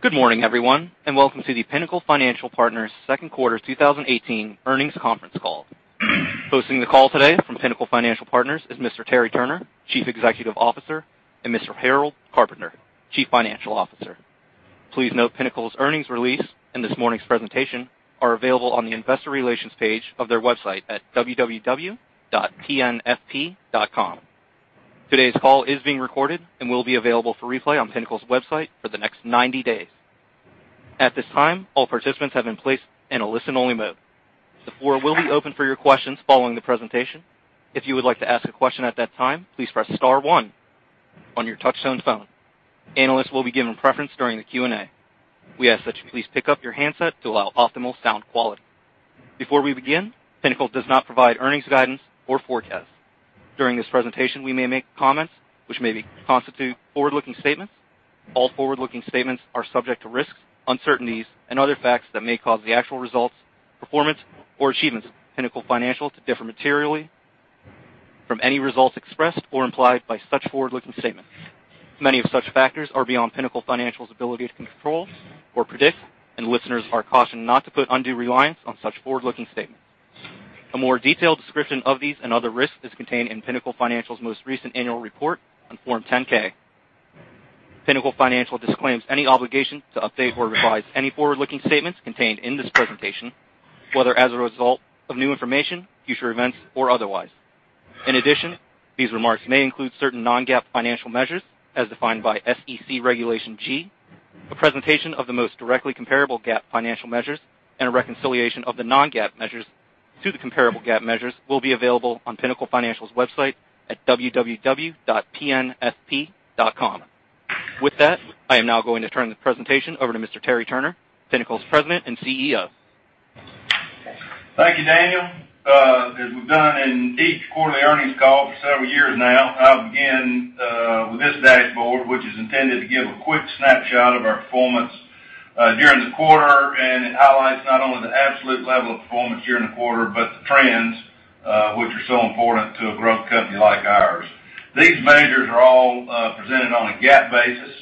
Good morning, everyone, welcome to the Pinnacle Financial Partners second quarter 2018 earnings conference call. Hosting the call today from Pinnacle Financial Partners is Mr. Terry Turner, Chief Executive Officer, and Mr. Harold Carpenter, Chief Financial Officer. Please note Pinnacle's earnings release and this morning's presentation are available on the investor relations page of their website at www.pnfp.com. Today's call is being recorded and will be available for replay on Pinnacle's website for the next 90 days. At this time, all participants have been placed in a listen-only mode. The floor will be open for your questions following the presentation. If you would like to ask a question at that time, please press star one on your touchtone phone. Analysts will be given preference during the Q&A. We ask that you please pick up your handset to allow optimal sound quality. Before we begin, Pinnacle does not provide earnings guidance or forecasts. During this presentation, we may make comments which maybe constitute forward-looking statements. All forward-looking statements are subject to risks, uncertainties, and other facts that may cause the actual results, performance, or achievements of Pinnacle Financial to differ materially from any results expressed or implied by such forward-looking statements. Many of such factors are beyond Pinnacle Financial's ability to control or predict, and listeners are cautioned not to put undue reliance on such forward-looking statements. A more detailed description of these and other risks is contained in Pinnacle Financial's most recent annual report on Form 10-K. Pinnacle Financial disclaims any obligation to update or revise any forward-looking statements contained in this presentation, whether as a result of new information, future events, or otherwise. In addition, these remarks may include certain non-GAAP financial measures as defined by SEC Regulation G. A presentation of the most directly comparable GAAP financial measures and a reconciliation of the non-GAAP measures to the comparable GAAP measures will be available on Pinnacle Financial's website at www.pnfp.com. With that, I am now going to turn the presentation over to Mr. Terry Turner, Pinnacle's President and CEO. Thank you, Daniel. As we've done in each quarterly earnings call for several years now, I'll begin with this dashboard, which is intended to give a quick snapshot of our performance during the quarter, it highlights not only the absolute level of performance during the quarter, but the trends, which are so important to a growth company like ours. These measures are all presented on a GAAP basis.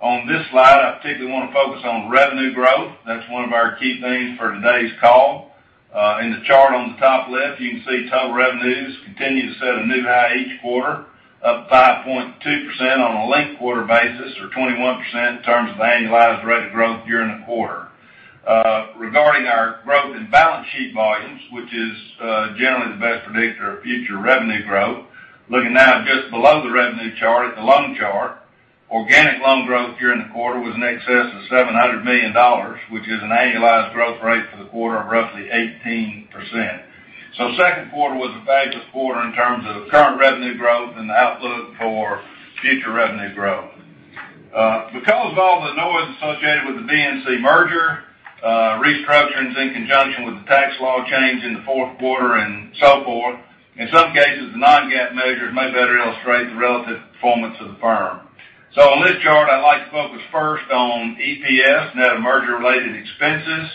On this slide, I particularly want to focus on revenue growth. That's one of our key themes for today's call. In the chart on the top left, you can see total revenues continue to set a new high each quarter, up 5.2% on a linked quarter basis, or 21% in terms of the annualized rate of growth year in the quarter. Regarding our growth in balance sheet volumes, which is generally the best predictor of future revenue growth, looking now just below the revenue chart at the loan chart, organic loan growth during the quarter was in excess of $700 million, which is an annualized growth rate for the quarter of roughly 18%. The second quarter was a fabulous quarter in terms of current revenue growth and the outlook for future revenue growth. Because of all the noise associated with the BNC merger, restructurings in conjunction with the tax law change in the fourth quarter and so forth, in some cases, the non-GAAP measures may better illustrate the relative performance of the firm. On this chart, I'd like to focus first on EPS, net of merger-related expenses.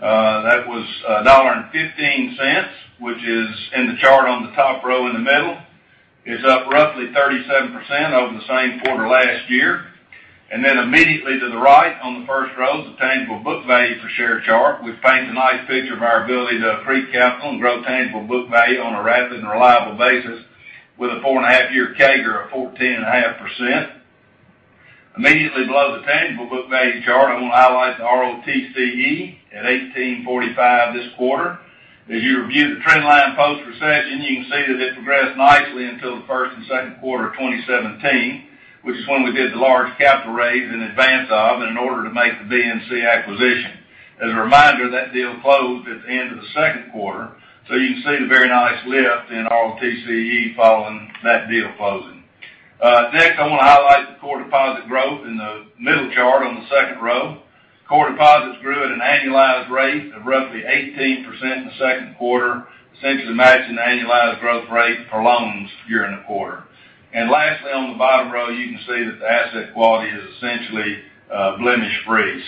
That was $1.15, which is in the chart on the top row in the middle. It's up roughly 37% over the same quarter last year. Immediately to the right on the first row is the tangible book value per share chart, which paints a nice picture of our ability to accrete capital and grow tangible book value on a rapid and reliable basis with a four-and-a-half-year CAGR of 14.5%. Immediately below the tangible book value chart, I want to highlight the ROTCE at 18.45 this quarter. As you review the trend line post-recession, you can see that it progressed nicely until the first and second quarter of 2017, which is when we did the large capital raise in advance of, and in order to make the BNC acquisition. As a reminder, that deal closed at the end of the second quarter, you can see the very nice lift in ROTCE following that deal closing. Next, I want to highlight the core deposit growth in the middle chart on the second row. Core deposits grew at an annualized rate of roughly 18% in the second quarter, essentially matching the annualized growth rate for loans year in the quarter. Lastly, on the bottom row, you can see that the asset quality is essentially blemish free.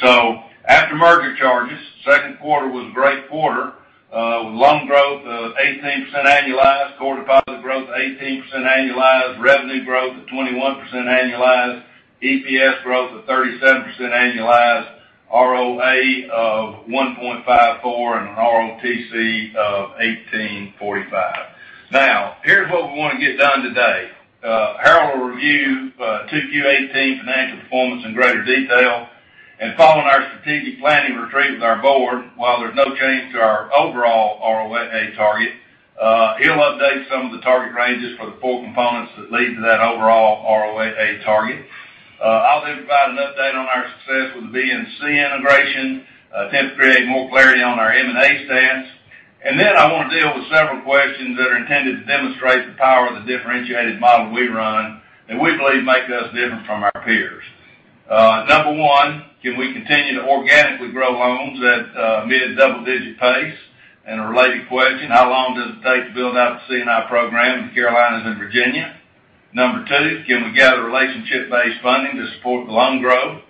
After merger charges, second quarter was a great quarter, with loan growth of 18% annualized, core deposit growth 18% annualized, revenue growth of 21% annualized, EPS growth of 37% annualized, ROA of 1.54, and an ROTC of 18.45. Here's what we want to get done today. Harold will review 2Q18 financial performance in greater detail. Following our strategic planning retreat with our board, while there's no change to our overall ROAA target, he'll update some of the target ranges for the four components that lead to that overall ROAA target. I'll then provide an update on our success with the BNC integration, attempt to create more clarity on our M&A stance. I want to deal with several questions that are intended to demonstrate the power of the differentiated model we run, that we believe makes us different from our peers. Number one, can we continue to organically grow loans at a mid-double digit pace? A related question, how long does it take to build out the C&I program in Carolinas and Virginia? Number two, can we gather relationship-based funding to support the loan growth?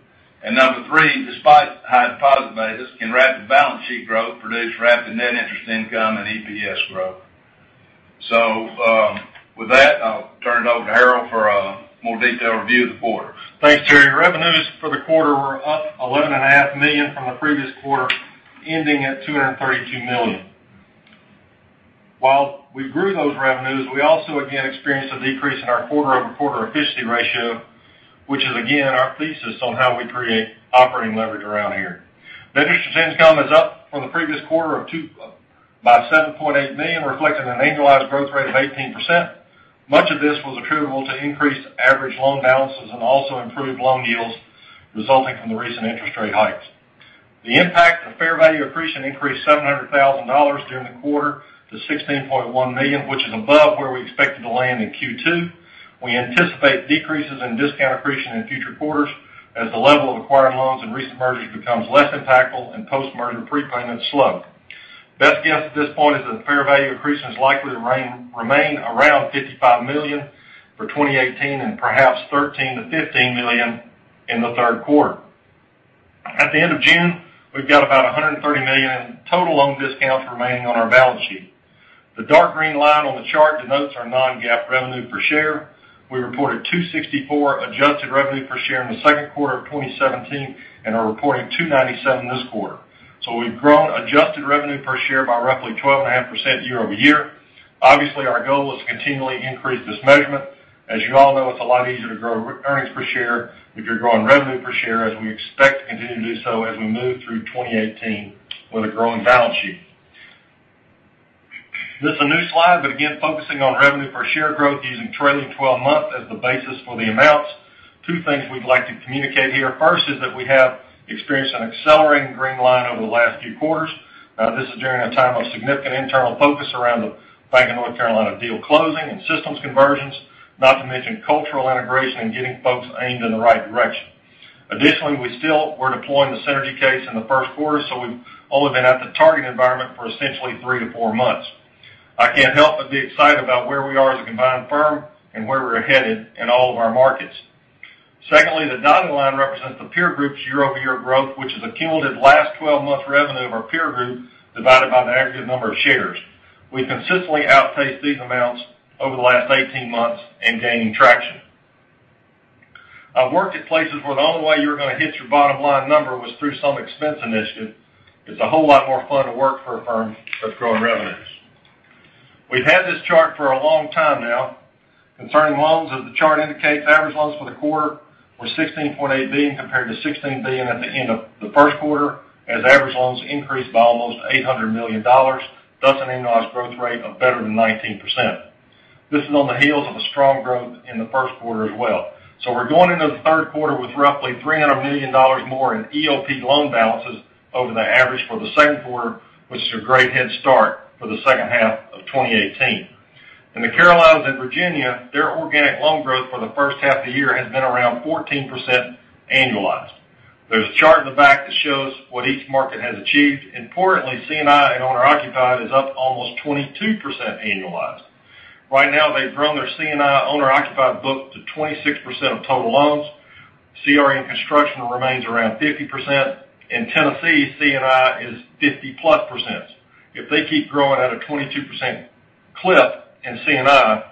Number three, despite high deposit beta, can rapid balance sheet growth produce rapid net interest income and EPS growth? With that, I'll turn it over to Harold for a more detailed review of the quarter. Thanks, Terry. Revenues for the quarter were up $11.5 million from the previous quarter, ending at $232 million. While we grew those revenues, we also again experienced a decrease in our quarter-over-quarter efficiency ratio, which is again our thesis on how we create operating leverage around here. Net interest income is up from the previous quarter by $7.8 million, reflecting an annualized growth rate of 18%. Much of this was attributable to increased average loan balances and also improved loan yields resulting from the recent interest rate hikes. The impact of fair value accretion increased $700,000 during the quarter to $16.1 million, which is above where we expected to land in Q2. We anticipate decreases in discount accretion in future quarters as the level of acquired loans and recent mergers becomes less impactful and post-merger prepayments slow. Best guess at this point is that fair value accretion is likely to remain around $55 million for 2018 and perhaps $13 million-$15 million in the third quarter. At the end of June, we've got about $130 million in total loan discounts remaining on our balance sheet. The dark green line on the chart denotes our non-GAAP revenue per share. We reported $2.64 adjusted revenue per share in the second quarter of 2017 and are reporting $2.97 this quarter. We've grown adjusted revenue per share by roughly 12.5% year-over-year. Obviously, our goal is to continually increase this measurement. As you all know, it's a lot easier to grow earnings per share if you're growing revenue per share, as we expect to continue to do so as we move through 2018 with a growing balance sheet. This is a new slide, but again, focusing on revenue per share growth using trailing 12 months as the basis for the amounts. Two things we'd like to communicate here. First is that we have experienced an accelerating green line over the last few quarters. Now, this is during a time of significant internal focus around the Bank of North Carolina deal closing and systems conversions, not to mention cultural integration and getting folks aimed in the right direction. Additionally, we still were deploying the synergy case in the first quarter, so we've only been at the target environment for essentially three to four months. I can't help but be excited about where we are as a combined firm and where we're headed in all of our markets. Secondly, the dotted line represents the peer group's year-over-year growth, which is a cumulative last 12 months revenue of our peer group, divided by the aggregate number of shares. We consistently outpaced these amounts over the last 18 months and gaining traction. I've worked at places where the only way you were going to hit your bottom line number was through some expense initiative. It's a whole lot more fun to work for a firm that's growing revenues. We've had this chart for a long time now. Concerning loans, as the chart indicates, average loans for the quarter were $16.8 billion compared to $16 billion at the end of the first quarter, as average loans increased by almost $800 million. An annualized growth rate of better than 19%. This is on the heels of a strong growth in the first quarter as well. We're going into the third quarter with roughly $300 million more in EOP loan balances over the average for the second quarter, which is a great head start for the second half of 2018. In the Carolinas and Virginia, their organic loan growth for the first half of the year has been around 14% annualized. There's a chart in the back that shows what each market has achieved. Importantly, C&I and owner-occupied is up almost 22% annualized. Right now, they've grown their C&I owner-occupied book to 26% of total loans. CRE and construction remains around 50%. In Tennessee, C&I is 50%+ percent. If they keep growing at a 22% clip in C&I,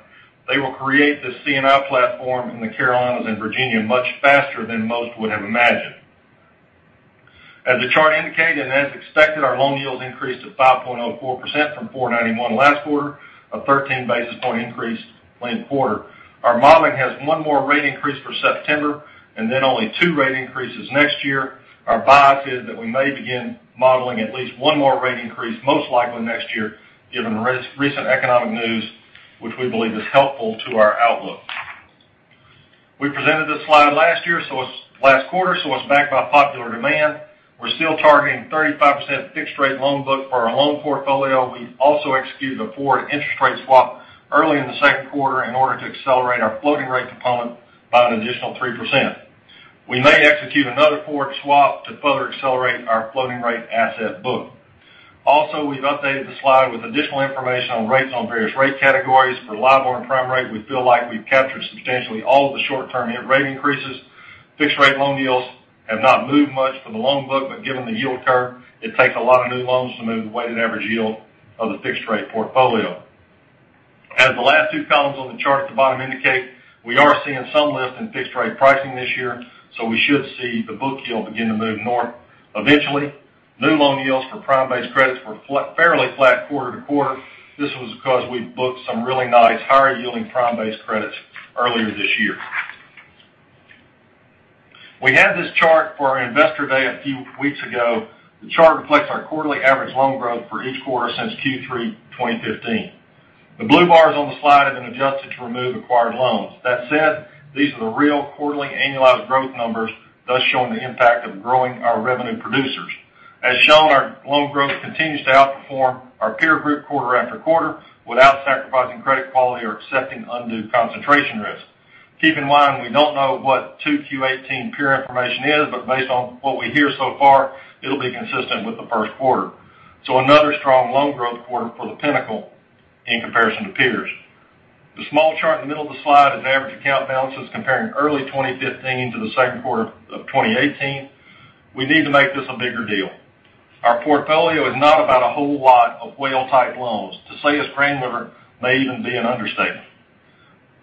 they will create the C&I platform in the Carolinas and Virginia much faster than most would have imagined. As the chart indicated, and as expected, our loan yields increased to 5.04% from 4.91% last quarter, a 13 basis point increase when quarter. Our modeling has one more rate increase for September and then only two rate increases next year. Our bias is that we may begin modeling at least one more rate increase, most likely next year, given recent economic news, which we believe is helpful to our outlook. We presented this slide last quarter, so it's back by popular demand. We're still targeting 35% fixed rate loan book for our loan portfolio. We also executed a forward interest rate swap early in the second quarter in order to accelerate our floating rate component by an additional 3%. We may execute another forward swap to further accelerate our floating rate asset book. We've updated the slide with additional information on rates on various rate categories. For LIBOR and prime rate, we feel like we've captured substantially all of the short-term rate increases. Fixed rate loan yields have not moved much for the loan book, but given the yield curve, it takes a lot of new loans to move the weighted average yield of the fixed rate portfolio. As the last two columns on the chart at the bottom indicate, we are seeing some lift in fixed rate pricing this year, so we should see the book yield begin to move north eventually. New loan yields for prime-based credits were fairly flat quarter to quarter. This was because we booked some really nice higher yielding prime-based credits earlier this year. We had this chart for our investor day a few weeks ago. The chart reflects our quarterly average loan growth for each quarter since Q3 2015. The blue bars on the slide have been adjusted to remove acquired loans. That said, these are the real quarterly annualized growth numbers, thus showing the impact of growing our revenue producers. As shown, our loan growth continues to outperform our peer group quarter after quarter without sacrificing credit quality or accepting undue concentration risk. Keep in mind, we don't know what 2Q18 peer information is, but based on what we hear so far, it'll be consistent with the first quarter. Another strong loan growth quarter for the Pinnacle in comparison to peers. The small chart in the middle of the slide is average account balances comparing early 2015 to the second quarter of 2018. We need to make this a bigger deal. Our portfolio is not about a whole lot of whale-type loans. To say it's granular may even be an understatement.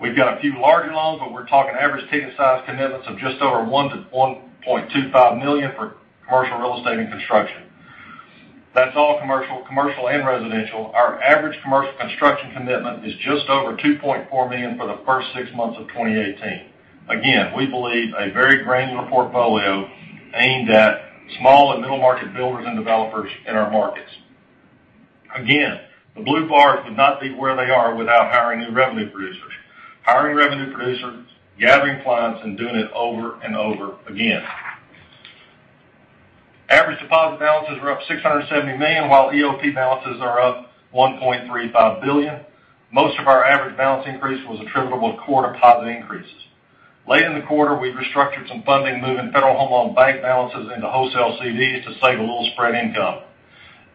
We've got a few larger loans, but we're talking average ticket size commitments of just over $1 million-$1.25 million for commercial real estate and construction. That's all commercial and residential. Our average commercial construction commitment is just over $2.4 million for the first six months of 2018. Again, we believe a very granular portfolio aimed at small and middle-market builders and developers in our markets. Again, the blue bars would not be where they are without hiring new revenue producers. Hiring revenue producers, gathering clients, and doing it over and over again. Average deposit balances were up to $670 million, while EOP balances are up to $1.35 billion. Most of our average balance increase was attributable to core deposit increases. Late in the quarter, we restructured some funding, moving Federal Home Loan Bank balances into wholesale CDs to save a little spread income.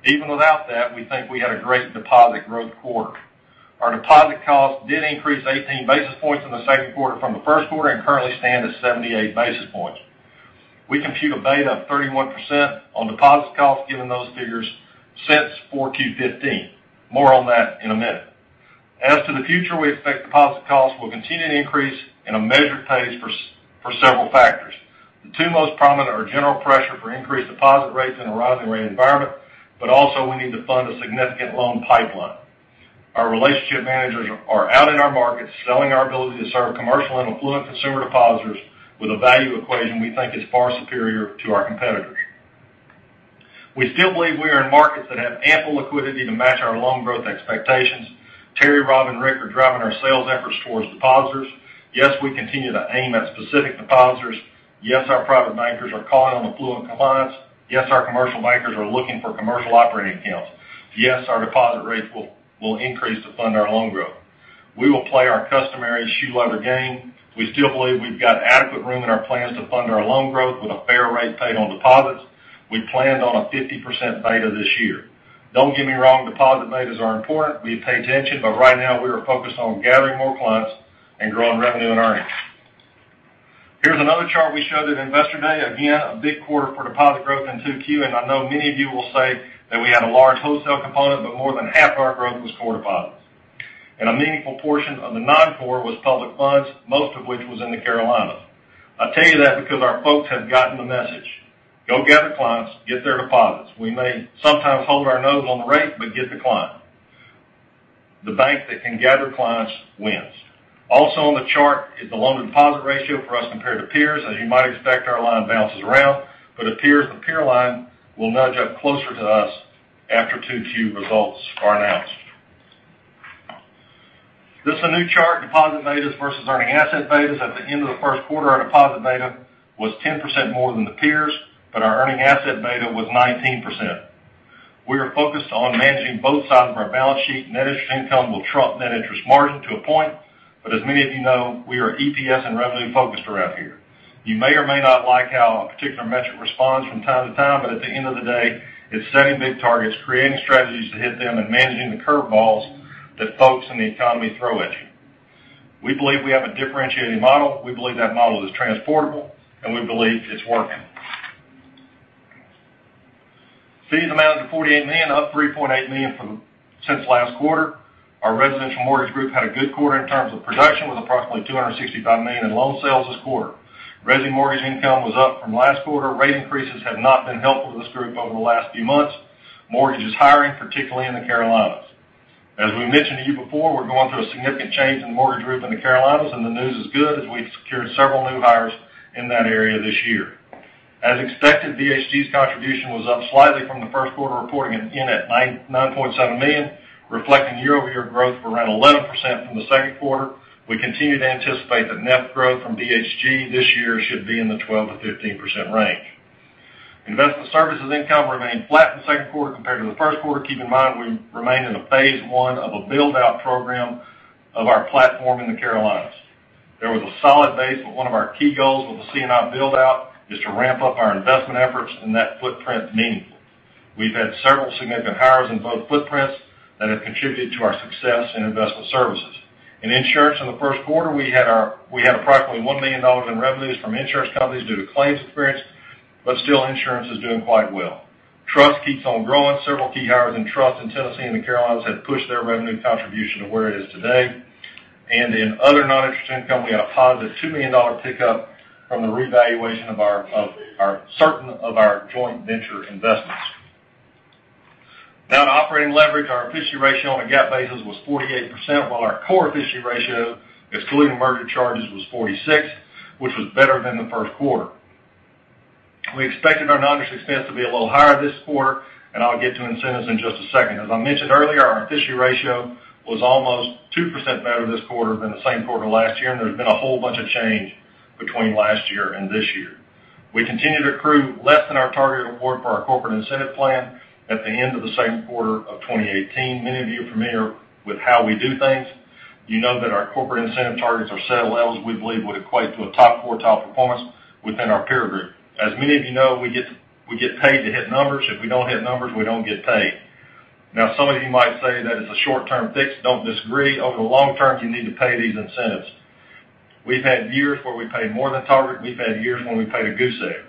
Even without that, we think we had a great deposit growth quarter. Our deposit costs did increase 18 basis points in the second quarter from the first quarter and currently stand at 78 basis points. We compute a beta of 31% on deposit costs given those figures since 4Q15. More on that in a minute. As to the future, we expect deposit costs will continue to increase in a measured pace for several factors. The two most prominent are general pressure for increased deposit rates in a rising rate environment, also we need to fund a significant loan pipeline. Our relationship managers are out in our markets selling our ability to serve commercial and affluent consumer depositors with a value equation we think is far superior to our competitors. We still believe we are in markets that have ample liquidity to match our loan growth expectations. Terry, Rob, and Rick are driving our sales efforts towards depositors. Yes, we continue to aim at specific depositors. Yes, our private bankers are calling on the affluent clients. Yes, our commercial bankers are looking for commercial operating accounts. Yes, our deposit rates will increase to fund our loan growth. We will play our customary shoe leather game. We still believe we've got adequate room in our plans to fund our loan growth with a fair rate paid on deposits. We planned on a 50% beta this year. Don't get me wrong, deposit betas are important. We pay attention, right now we are focused on gathering more clients and growing revenue and earnings. Here's another chart we showed at Investor Day. Again, a big quarter for deposit growth in 2Q. I know many of you will say that we had a large wholesale component, more than half of our growth was core deposits. A meaningful portion of the non-core was public funds, most of which was in the Carolinas. I tell you that because our folks have gotten the message. Go gather clients, get their deposits. We may sometimes hold our nose on the rate, get the client. The bank that can gather clients wins. Also on the chart is the loan deposit ratio for us compared to peers. As you might expect, our line bounces around, it appears the peer line will nudge up closer to us after 2Q results are announced. This is a new chart, deposit betas versus earning asset betas. At the end of the first quarter, our deposit beta was 10% more than the peers, our earning asset beta was 19%. We are focused on managing both sides of our balance sheet. Net interest income will trump net interest margin to a point, as many of you know, we are EPS and revenue focused around here. You may or may not like how a particular metric responds from time to time, at the end of the day, it's setting big targets, creating strategies to hit them, and managing the curve balls that folks in the economy throw at you. We believe we have a differentiating model, we believe that model is transportable, and we believe it's working. Fees amounted to $48 million, up $3.8 million since last quarter. Our residential mortgage group had a good quarter in terms of production, with approximately $265 million in loan sales this quarter. Resi mortgage income was up from last quarter. Rate increases have not been helpful to this group over the last few months. Mortgage is hiring, particularly in the Carolinas. As we mentioned to you before, we're going through a significant change in the mortgage group in the Carolinas, the news is good, as we've secured several new hires in that area this year. As expected, BHG's contribution was up slightly from the first quarter, reporting in at $9.7 million, reflecting year-over-year growth of around 11% from the second quarter. We continue to anticipate that NII growth from BHG this year should be in the 12%-15% range. Investment services income remained flat in the second quarter compared to the first quarter. Keep in mind, we remain in a phase one of a build-out program of our platform in the Carolinas. There was a solid base, one of our key goals with the C&I build-out is to ramp up our investment efforts in that footprint meaningfully. We've had several significant hires in both footprints that have contributed to our success in investment services. In insurance in the first quarter, we had approximately $1 million in revenues from insurance companies due to claims experience, still insurance is doing quite well. Trust keeps on growing. Several key hires in trust in Tennessee and the Carolinas have pushed their revenue contribution to where it is today. In other non-interest income, we had a positive $2 million pickup from the revaluation of certain of our joint venture investments. To operating leverage, our efficiency ratio on a GAAP basis was 48%, while our core efficiency ratio, excluding the merger charges, was 46%, which was better than the first quarter. We expected our non-interest expense to be a little higher this quarter, and I'll get to incentives in just a second. As I mentioned earlier, our efficiency ratio was almost 2% better this quarter than the same quarter last year, and there's been a whole bunch of change between last year and this year. We continue to accrue less than our targeted award for our corporate incentive plan at the end of the second quarter of 2018. Many of you are familiar with how we do things. You know that our corporate incentive targets are set at levels we believe would equate to a top quartile performance within our peer group. As many of you know, We get paid to hit numbers. If we don't hit numbers, we don't get paid. Some of you might say that is a short-term fix. Don't disagree. Over the long term, you need to pay these incentives. We've had years where we paid more than target, we've had years when we paid a goose egg.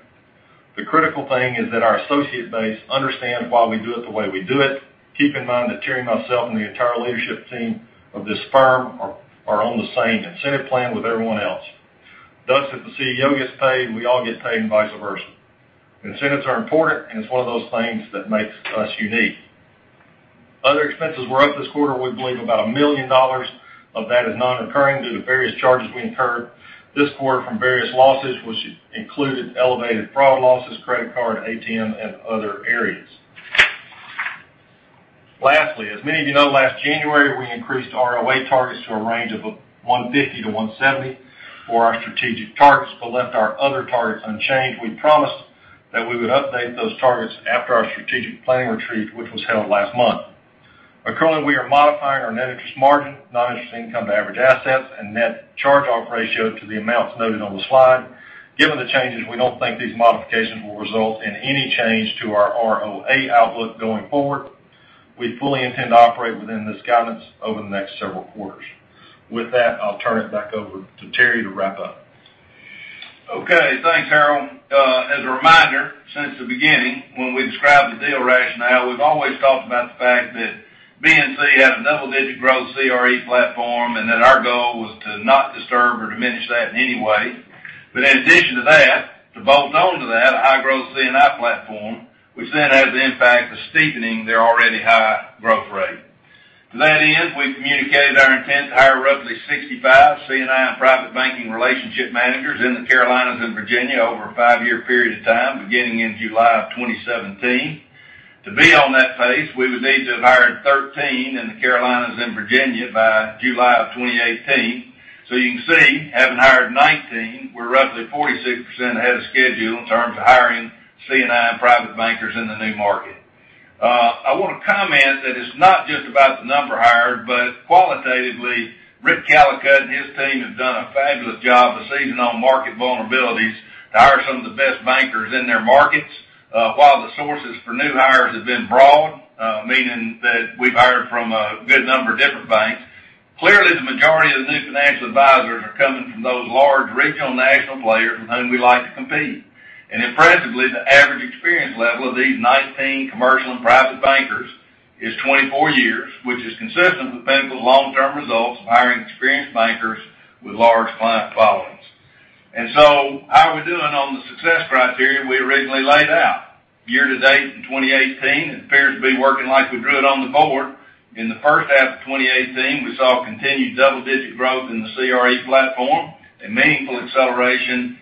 The critical thing is that our associate base understands why we do it the way we do it. Keep in mind that Terry, myself, and the entire leadership team of this firm are on the same incentive plan with everyone else. Thus, if the CEO gets paid, we all get paid, and vice versa. Incentives are important, and it's one of those things that makes us unique. Other expenses were up this quarter. We believe about $1 million of that is non-recurring due to various charges we incurred this quarter from various losses, which included elevated fraud losses, credit card, ATM, and other areas. Lastly, as many of you know, last January, we increased our ROA targets to a range of 150-170 for our strategic targets, but left our other targets unchanged. We promised that we would update those targets after our strategic planning retreat, which was held last month. Currently, we are modifying our net interest margin, non-interest income to average assets, and net charge-off ratio to the amounts noted on the slide. Given the changes, we don't think these modifications will result in any change to our ROA outlook going forward. We fully intend to operate within this guidance over the next several quarters. With that, I'll turn it back over to Terry to wrap up. Okay. Thanks, Harold. As a reminder, since the beginning, when we described the deal rationale, we've always talked about the fact that BNC had a double-digit growth CRE platform, and that our goal was to not disturb or diminish that in any way. In addition to that, to bolt on to that, a high growth C&I platform, which then has the impact of steepening their already high growth rate. To that end, we communicated our intent to hire roughly 65 C&I and private banking relationship managers in the Carolinas and Virginia over a five-year period of time, beginning in July of 2017. To be on that pace, we would need to have hired 13 in the Carolinas and Virginia by July of 2018. You can see, having hired 19, we're roughly 46% ahead of schedule in terms of hiring C&I and private bankers in the new market. I want to comment that it's not just about the number hired, but qualitatively, Rick Callicutt and his team have done a fabulous job of seizing on market vulnerabilities to hire some of the best bankers in their markets. While the sources for new hires have been broad, meaning that we've hired from a good number of different banks, clearly the majority of the new financial advisors are coming from those large regional national players with whom we like to compete. Impressively, the average experience level of these 19 commercial and private bankers is 24 years, which is consistent with Pinnacle's long-term results of hiring experienced bankers with large client followings. How are we doing on the success criteria we originally laid out? Year to date in 2018, it appears to be working like we drew it on the board. In the first half of 2018, we saw continued double-digit growth in the CRE platform and meaningful acceleration in the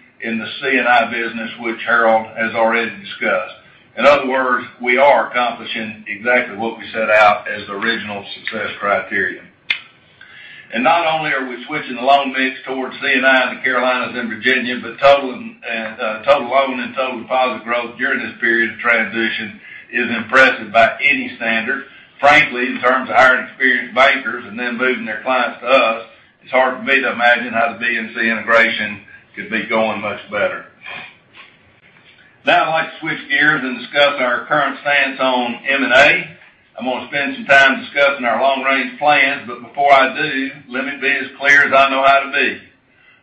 C&I business, which Harold has already discussed. In other words, we are accomplishing exactly what we set out as the original success criteria. Not only are we switching the loan mix towards C&I in the Carolinas and Virginia, but total loan and total deposit growth during this period of transition is impressive by any standard. Frankly, in terms of hiring experienced bankers and them moving their clients to us, it's hard for me to imagine how the BNC integration could be going much better. I'd like to switch gears and discuss our current stance on M&A. I'm going to spend some time discussing our long-range plans, but before I do, let me be as clear as I know how to be.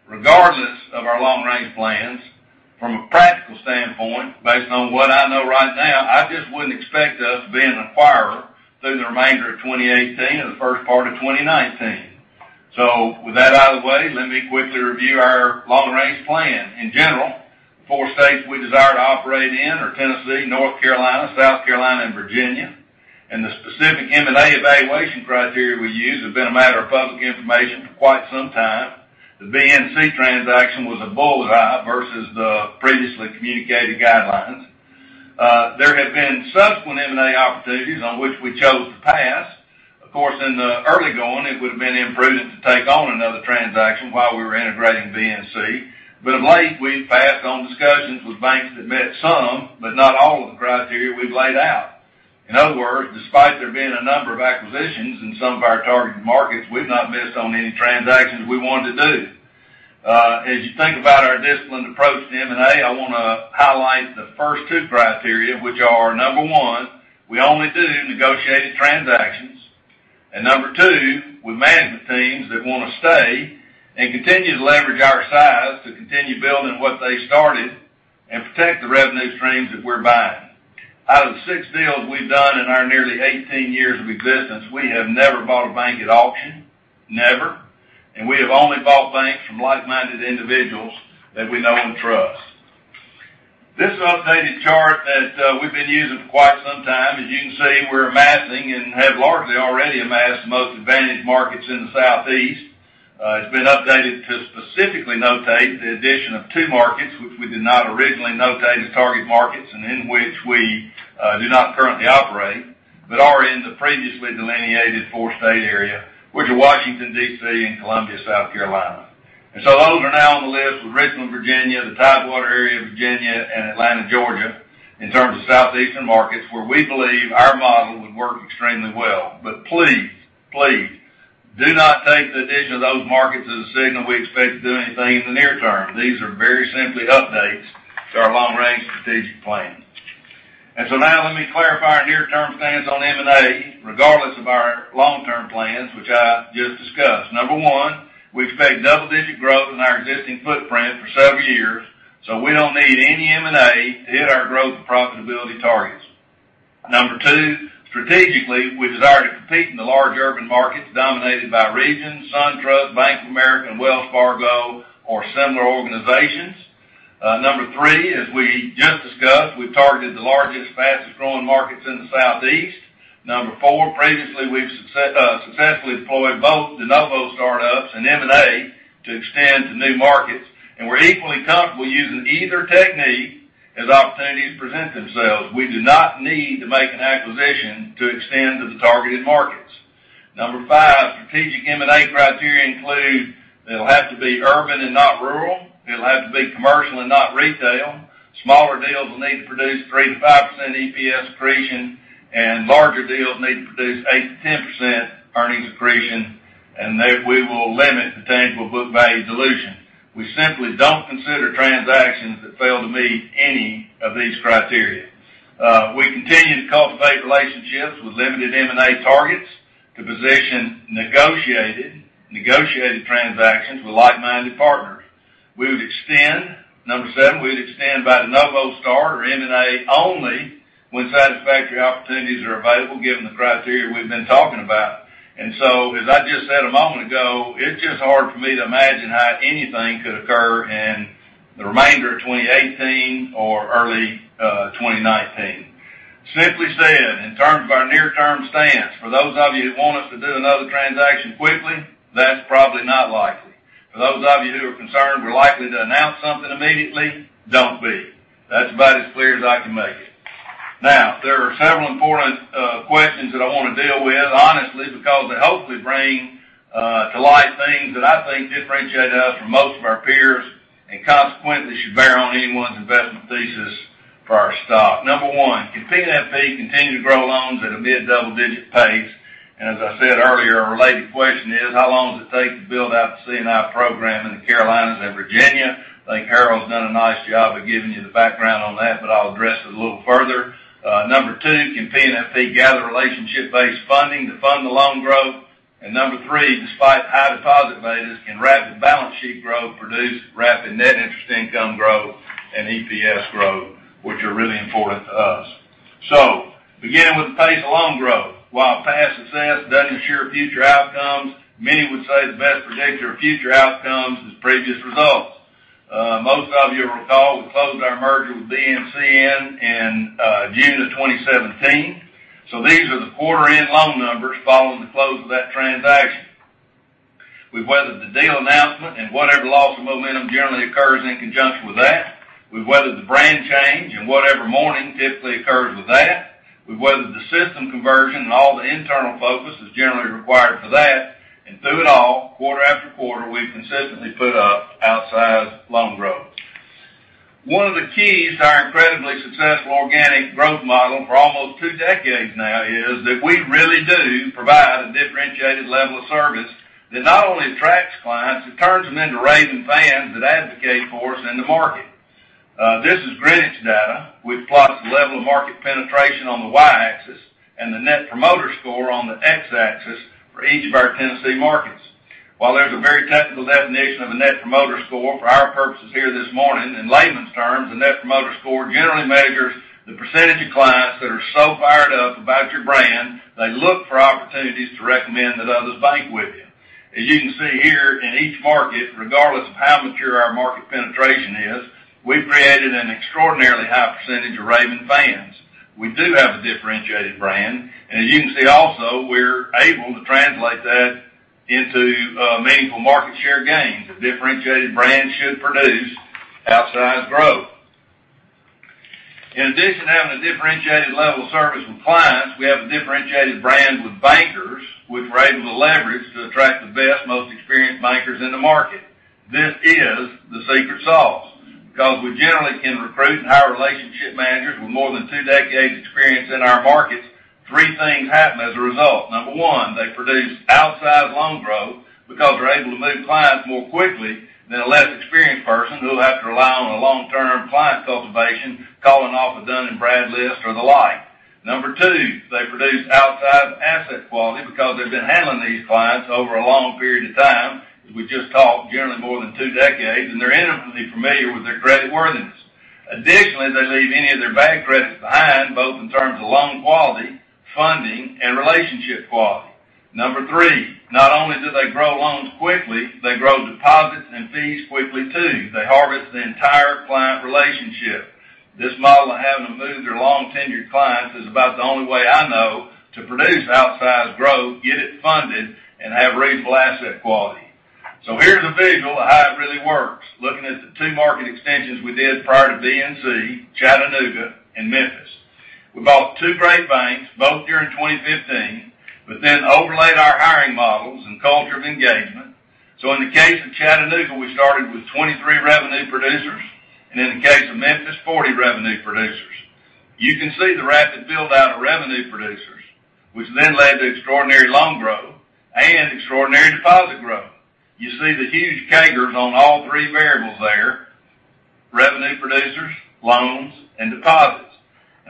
Regardless of our long-range plans, from a practical standpoint, based on what I know right now, I just wouldn't expect us to be an acquirer through the remainder of 2018 or the first part of 2019. With that out of the way, let me quickly review our long-range plan. In general, the four states we desire to operate in are Tennessee, North Carolina, South Carolina, and Virginia, and the specific M&A evaluation criteria we use have been a matter of public information for quite some time. The BNC transaction was a bullseye versus the previously communicated guidelines. There have been subsequent M&A opportunities on which we chose to pass. Of course, in the early going, it would have been imprudent to take on another transaction while we were integrating BNC. Of late, we've passed on discussions with banks that met some, but not all, of the criteria we've laid out. In other words, despite there being a number of acquisitions in some of our targeted markets, we've not missed on any transactions we wanted to do. As you think about our disciplined approach to M&A, I want to highlight the first two criteria, which are, number one, we only do negotiated transactions, and number two, with management teams that want to stay and continue to leverage our size to continue building what they started and protect the revenue streams that we're buying. Out of the six deals we've done in our nearly 18 years of existence, we have never bought a bank at auction. Never. We have only bought banks from like-minded individuals that we know and trust. This updated chart that we've been using for quite some time, as you can see, we're amassing and have largely already amassed the most advantaged markets in the Southeast. It's been updated to specifically notate the addition of two markets, which we did not originally notate as target markets and in which we do not currently operate, but are in the previously delineated four-state area, which are Washington, D.C., and Columbia, South Carolina. Those are now on the list with Richmond, Virginia, the Tidewater area of Virginia, and Atlanta, Georgia, in terms of Southeastern markets where we believe our model would work extremely well. Please, please do not take the addition of those markets as a signal we expect to do anything in the near term. These are very simply updates to our long-range strategic plan. Now let me clarify our near-term stance on M&A, regardless of our long-term plans, which I just discussed. Number one, we expect double-digit growth in our existing footprint for several years, so we don't need any M&A to hit our growth and profitability targets. Number two, strategically, we desire to compete in the large urban markets dominated by Regions, SunTrust, Bank of America, and Wells Fargo, or similar organizations. Number three, as we just discussed, we've targeted the largest, fastest-growing markets in the Southeast. Number four, previously we've successfully deployed both de novo startups and M&A to extend to new markets, and we're equally comfortable using either technique as opportunities present themselves. We do not need to make an acquisition to extend to the targeted markets. Number five, strategic M&A criteria include, it'll have to be urban and not rural, it'll have to be commercial and not retail. Smaller deals will need to produce 3%-5% EPS accretion, and larger deals need to produce 8%-10% earnings accretion, and we will limit the tangible book value dilution. We simply don't consider transactions that fail to meet any of these criteria. We continue to cultivate relationships with limited M&A targets to position negotiated transactions with like-minded partners. Number seven, we would extend by de novo start or M&A only when satisfactory opportunities are available given the criteria we've been talking about. As I just said a moment ago, it's just hard for me to imagine how anything could occur in the remainder of 2018 or early 2019. Simply said, in terms of our near-term stance, for those of you that want us to do another transaction quickly, that's probably not likely. For those of you who are concerned we're likely to announce something immediately, don't be. That's about as clear as I can make it. There are several important questions that I want to deal with honestly, because they hopefully bring to light things that I think differentiate us from most of our peers, and consequently, should bear on anyone's investment thesis for our stock. Number one, can PNFP continue to grow loans at a mid-double digit pace? As I said earlier, a related question is, how long does it take to build out the C&I program in the Carolinas and Virginia? I think Harold's done a nice job of giving you the background on that, but I'll address it a little further. Number two, can PNFP gather relationship-based funding to fund the loan growth? Number three, despite high deposit rates, can rapid balance sheet growth produce rapid net interest income growth and EPS growth, which are really important to us. So, beginning with the pace of loan growth, while past success doesn't ensure future outcomes, many would say the best predictor of future outcomes is previous results. Most of you will recall we closed our merger with BNC in June of 2017, so these are the quarter-end loan numbers following the close of that transaction. We've weathered the deal announcement and whatever loss of momentum generally occurs in conjunction with that. We've weathered the brand change and whatever mourning typically occurs with that. We've weathered the system conversion and all the internal focus that's generally required for that. Through it all, quarter after quarter, we've consistently put up outsized loan growth. One of the keys to our incredibly successful organic growth model for almost two decades now is that we really do provide a differentiated level of service that not only attracts clients, it turns them into raving fans that advocate for us in the market. This is Greenwich data, which plots the level of market penetration on the Y-axis and the Net Promoter Score on the X-axis for each of our Tennessee markets. While there's a very technical definition of a Net Promoter Score, for our purposes here this morning, in layman's terms, a Net Promoter Score generally measures the percentage of clients that are so fired up about your brand, they look for opportunities to recommend that others bank with you. As you can see here, in each market, regardless of how mature our market penetration is, we've created an extraordinarily high percentage of raving fans. We do have a differentiated brand, and as you can see also, we're able to translate that into meaningful market share gains. A differentiated brand should produce outsized growth. In addition to having a differentiated level of service with clients, we have a differentiated brand with bankers, which we're able to leverage to attract the best, most experienced bankers in the market. This is the secret sauce, because we generally can recruit and hire relationship managers with more than two decades experience in our markets. Three things happen as a result. Number one, they produce outsized loan growth because they're able to move clients more quickly than a less experienced person who will have to rely on a long-term client cultivation, calling off a Dun & Brad list or the like. Number two, they produce outsized asset quality because they've been handling these clients over a long period of time. We just talked, generally more than two decades, and they're intimately familiar with their creditworthiness. Additionally, they leave any of their bad credits behind, both in terms of loan quality, funding, and relationship quality. Number three, not only do they grow loans quickly, they grow deposits and fees quickly, too. They harvest the entire client relationship. This model of having them move their long-tenured clients is about the only way I know to produce outsized growth, get it funded, and have reasonable asset quality. So here's a visual of how it really works, looking at the two market extensions we did prior to BNC, Chattanooga, and Memphis. We bought two great banks, both during 2015, but then overlaid our hiring models and culture of engagement. So in the case of Chattanooga, we started with 23 revenue producers, and in the case of Memphis, 40 revenue producers. You can see the rapid build out of revenue producers, which then led to extraordinary loan growth and extraordinary deposit growth. You see the huge CAGRs on all three variables there, revenue producers, loans, and deposits.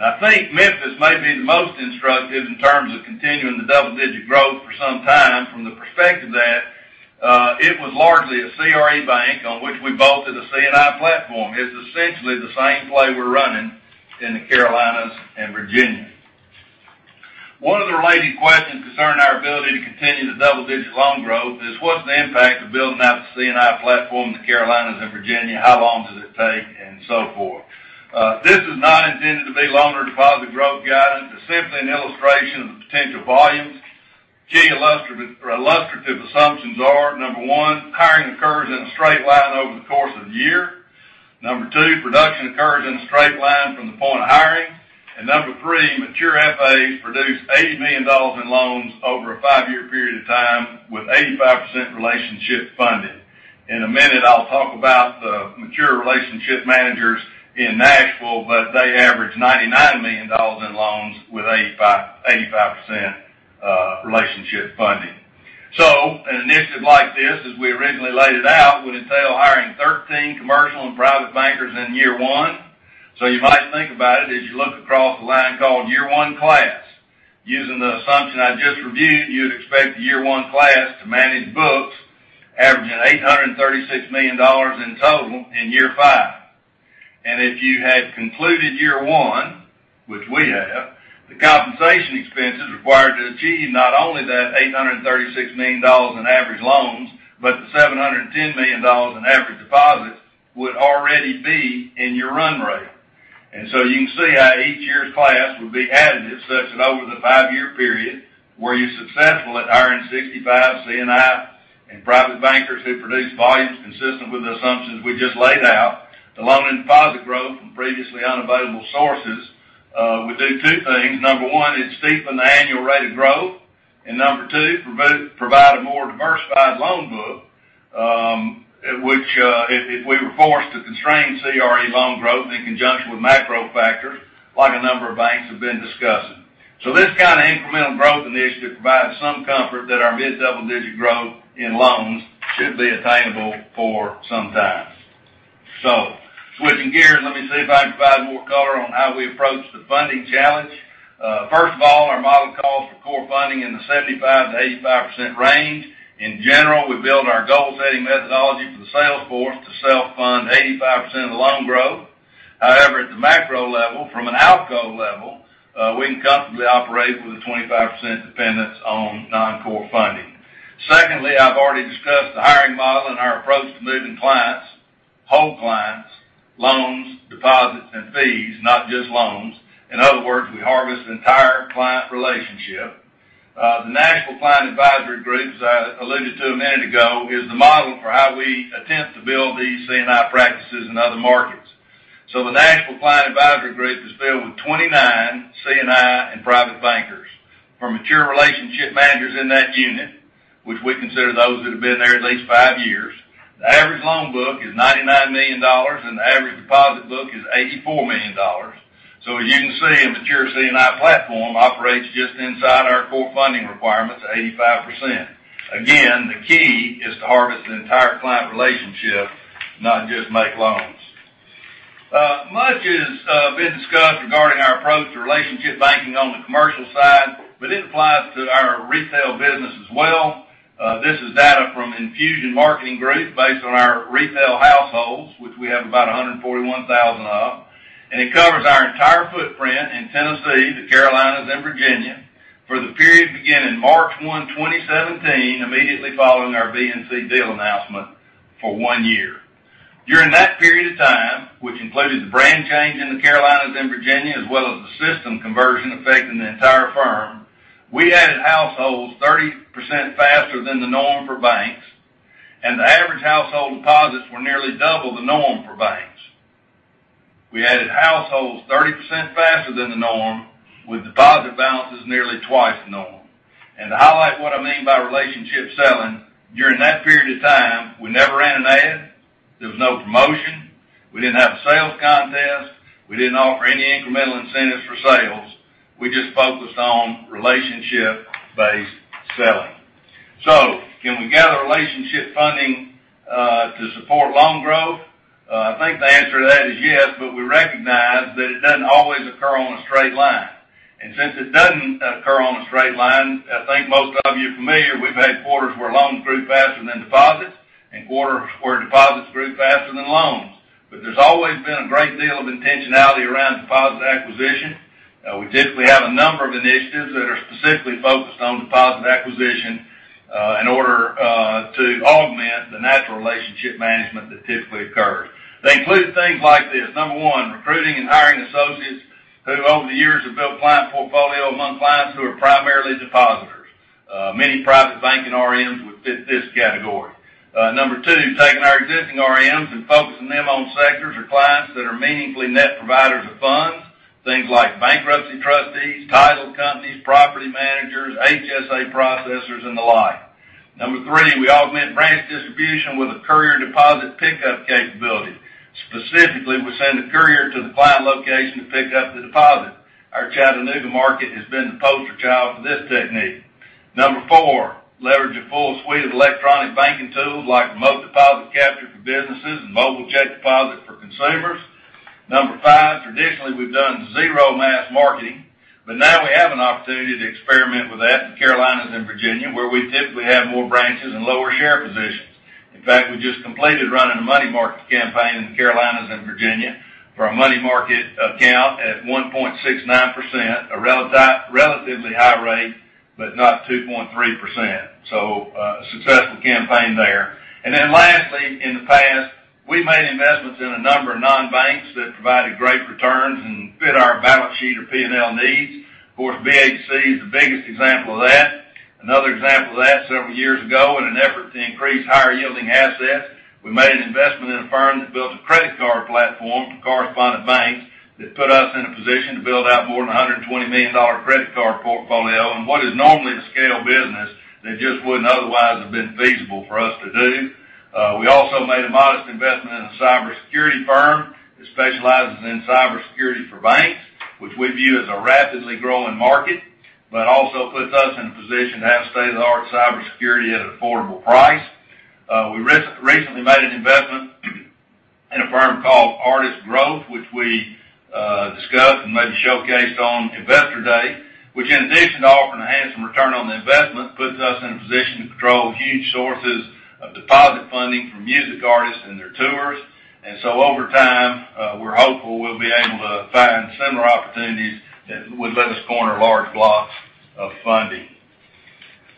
I think Memphis may be the most instructive in terms of continuing the double-digit growth for some time from the perspective that it was largely a CRE bank on which we bolted a C&I platform. It's essentially the same play we're running in the Carolinas and Virginia. One of the related questions concerning our ability to continue the double-digit loan growth is what's the impact of building out the C&I platform in the Carolinas and Virginia? How long does it take, and so forth? This is not intended to be loan or deposit growth guidance. It's simply an illustration of the potential volumes. Key illustrative assumptions are, number one, hiring occurs in a straight line over the course of the year. Number two, production occurs in a straight line from the point of hiring. Number three, mature FAs produce $80 million in loans over a five-year period of time with 85% relationship funded. In a minute, I'll talk about the mature relationship managers in Nashville, but they average $99 million in loans with 85% relationship funding. An initiative like this, as we originally laid it out, would entail hiring 13 commercial and private bankers in year one. You might think about it as you look across the line called year one class. Using the assumption I just reviewed, you'd expect the year one class to manage books averaging $836 million in total in year five. If you had concluded year one, which we have, the compensation expenses required to achieve not only that $836 million in average loans, but the $710 million in average deposits would already be in your run rate. You can see how each year's class would be additive, such that over the five-year period, were you successful at hiring 65 C&I and private bankers who produce volumes consistent with the assumptions we just laid out, the loan and deposit growth from previously unavailable sources would do two things. Number one, it'd steepen the annual rate of growth. Number two, provide a more diversified loan book, which, if we were forced to constrain CRE loan growth in conjunction with macro factors, like a number of banks have been discussing. This kind of incremental growth initiative provides some comfort that our mid-double-digit growth in loans should be attainable for some time. Switching gears, let me see if I can provide more color on how we approach the funding challenge. First of all, our model calls for core funding in the 75%-85% range. In general, we build our goal-setting methodology for the sales force to self-fund 85% of the loan growth. However, at the macro level, from an outgo level, we can comfortably operate with a 25% dependence on non-core funding. Secondly, I've already discussed the hiring model and our approach to moving clients, whole clients, loans, deposits, and fees, not just loans. In other words, we harvest the entire client relationship. The Nashville Client Advisory Group, as I alluded to a minute ago, is the model for how we attempt to build these C&I practices in other markets. The Nashville Client Advisory Group is filled with 29 C&I and private bankers. For mature relationship managers in that unit, which we consider those that have been there at least five years, the average loan book is $99 million, and the average deposit book is $84 million. As you can see, a mature C&I platform operates just inside our core funding requirements of 85%. Again, the key is to harvest the entire client relationship, not just make loans. Much has been discussed regarding our approach to relationship banking on the commercial side, but it applies to our retail business as well. This is data from Infusion Marketing Group based on our retail households, which we have about 141,000 of. It covers our entire footprint in Tennessee, the Carolinas, and Virginia for the period beginning March 1, 2017, immediately following our BNC deal announcement for one year. During that period of time, which included the brand change in the Carolinas and Virginia, as well as the system conversion affecting the entire firm, we added households 30% faster than the norm for banks, and the average household deposits were nearly double the norm for banks. We added households 30% faster than the norm, with deposit balances nearly twice the norm. To highlight what I mean by relationship selling, during that period of time, we never ran an ad. There was no promotion. We didn't have a sales contest. We didn't offer any incremental incentives for sales. We just focused on relationship-based selling. Can we gather relationship funding to support loan growth? I think the answer to that is yes, but we recognize that it doesn't always occur on a straight line. Since it doesn't occur on a straight line, I think most of you are familiar, we've had quarters where loans grew faster than deposits and quarters where deposits grew faster than loans. There's always been a great deal of intentionality around deposit acquisition. We typically have a number of initiatives that are specifically focused on deposit acquisition in order to augment the natural relationship management that typically occurs. They include things like this. Number one, recruiting and hiring associates who over the years have built client portfolio among clients who are primarily depositors. Many private banking RMs would fit this category. Number two, taking our existing RMs and focusing them on sectors or clients that are meaningfully net providers of funds, things like bankruptcy trustees, title escrow processors and the like. Number three, we augment branch distribution with a courier deposit pickup capability. Specifically, we send a courier to the client location to pick up the deposit. Our Chattanooga market has been the poster child for this technique. Number four, leverage a full suite of electronic banking tools like remote deposit capture for businesses and mobile check deposit for consumers. Number five, traditionally, we've done zero mass marketing, but now we have an opportunity to experiment with that in the Carolinas and Virginia, where we typically have more branches and lower share positions. In fact, we just completed running a money market campaign in the Carolinas and Virginia for a money market account at 1.69%, a relatively high rate, but not 2.3%. A successful campaign there. Lastly, in the past, we've made investments in a number of non-banks that provided great returns and fit our balance sheet or P&L needs. Of course, BHG is the biggest example of that. Another example of that, several years ago, in an effort to increase higher yielding assets, we made an investment in a firm that built a credit card platform for correspondent banks that put us in a position to build out more than $120 million credit card portfolio in what is normally a scale business that just wouldn't otherwise have been feasible for us to do. We also made a modest investment in a cybersecurity firm that specializes in cybersecurity for banks, which we view as a rapidly growing market, but also puts us in a position to have state-of-the-art cybersecurity at an affordable price. We recently made an investment in a firm called Artist Growth, which we discussed and maybe showcased on Investor Day, which in addition to offering a handsome return on the investment, puts us in a position to control huge sources of deposit funding from music artists and their tours. Over time, we're hopeful we'll be able to find similar opportunities that would let us corner large blocks of funding.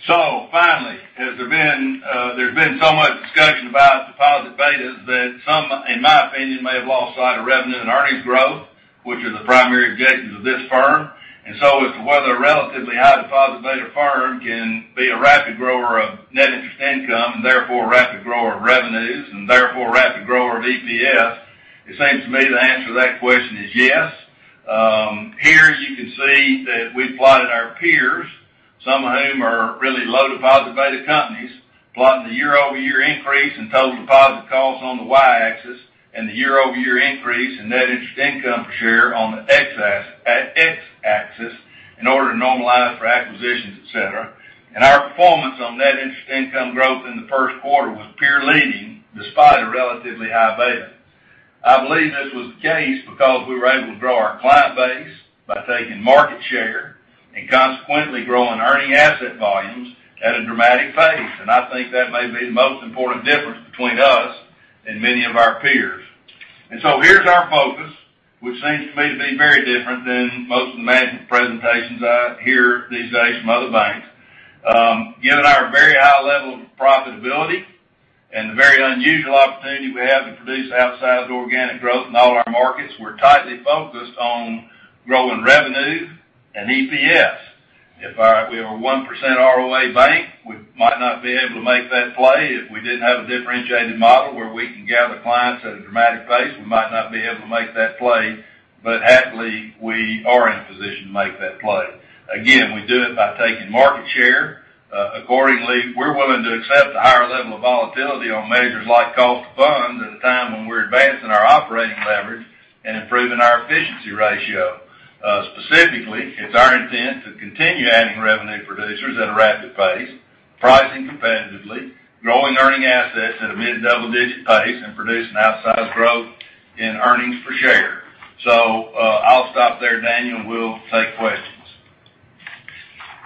Finally, there's been so much discussion about deposit betas that some, in my opinion, may have lost sight of revenue and earnings growth, which are the primary objectives of this firm. As to whether a relatively high deposit beta firm can be a rapid grower of net interest income, and therefore a rapid grower of revenues, and therefore a rapid grower of EPS, it seems to me the answer to that question is yes. Here you can see that we plotted our peers, some of whom are really low deposit beta companies, plotting the year-over-year increase in total deposit costs on the Y-axis, and the year-over-year increase in net interest income per share on the X-axis, in order to normalize for acquisitions, et cetera. Our performance on net interest income growth in the first quarter was peer leading, despite a relatively high beta. I believe this was the case because we were able to grow our client base by taking market share, and consequently growing earning asset volumes at a dramatic pace. I think that may be the most important difference between us and many of our peers. Here's our focus, which seems to me to be very different than most of the management presentations I hear these days from other banks. Given our very high level of profitability and the very unusual opportunity we have to produce outsized organic growth in all our markets, we're tightly focused on growing revenue and EPS. If we were a 1% ROA bank, we might not be able to make that play. If we didn't have a differentiated model where we can gather clients at a dramatic pace, we might not be able to make that play. Happily, we are in a position to make that play. Again, we do it by taking market share. Accordingly, we're willing to accept a higher level of volatility on measures like cost of funds at a time when we're advancing our operating leverage and improving our efficiency ratio. Specifically, it's our intent to continue adding revenue producers at a rapid pace, pricing competitively, growing earning assets at a mid-double digit pace, and producing outsized growth in earnings per share. I'll stop there, Daniel, and we'll take questions.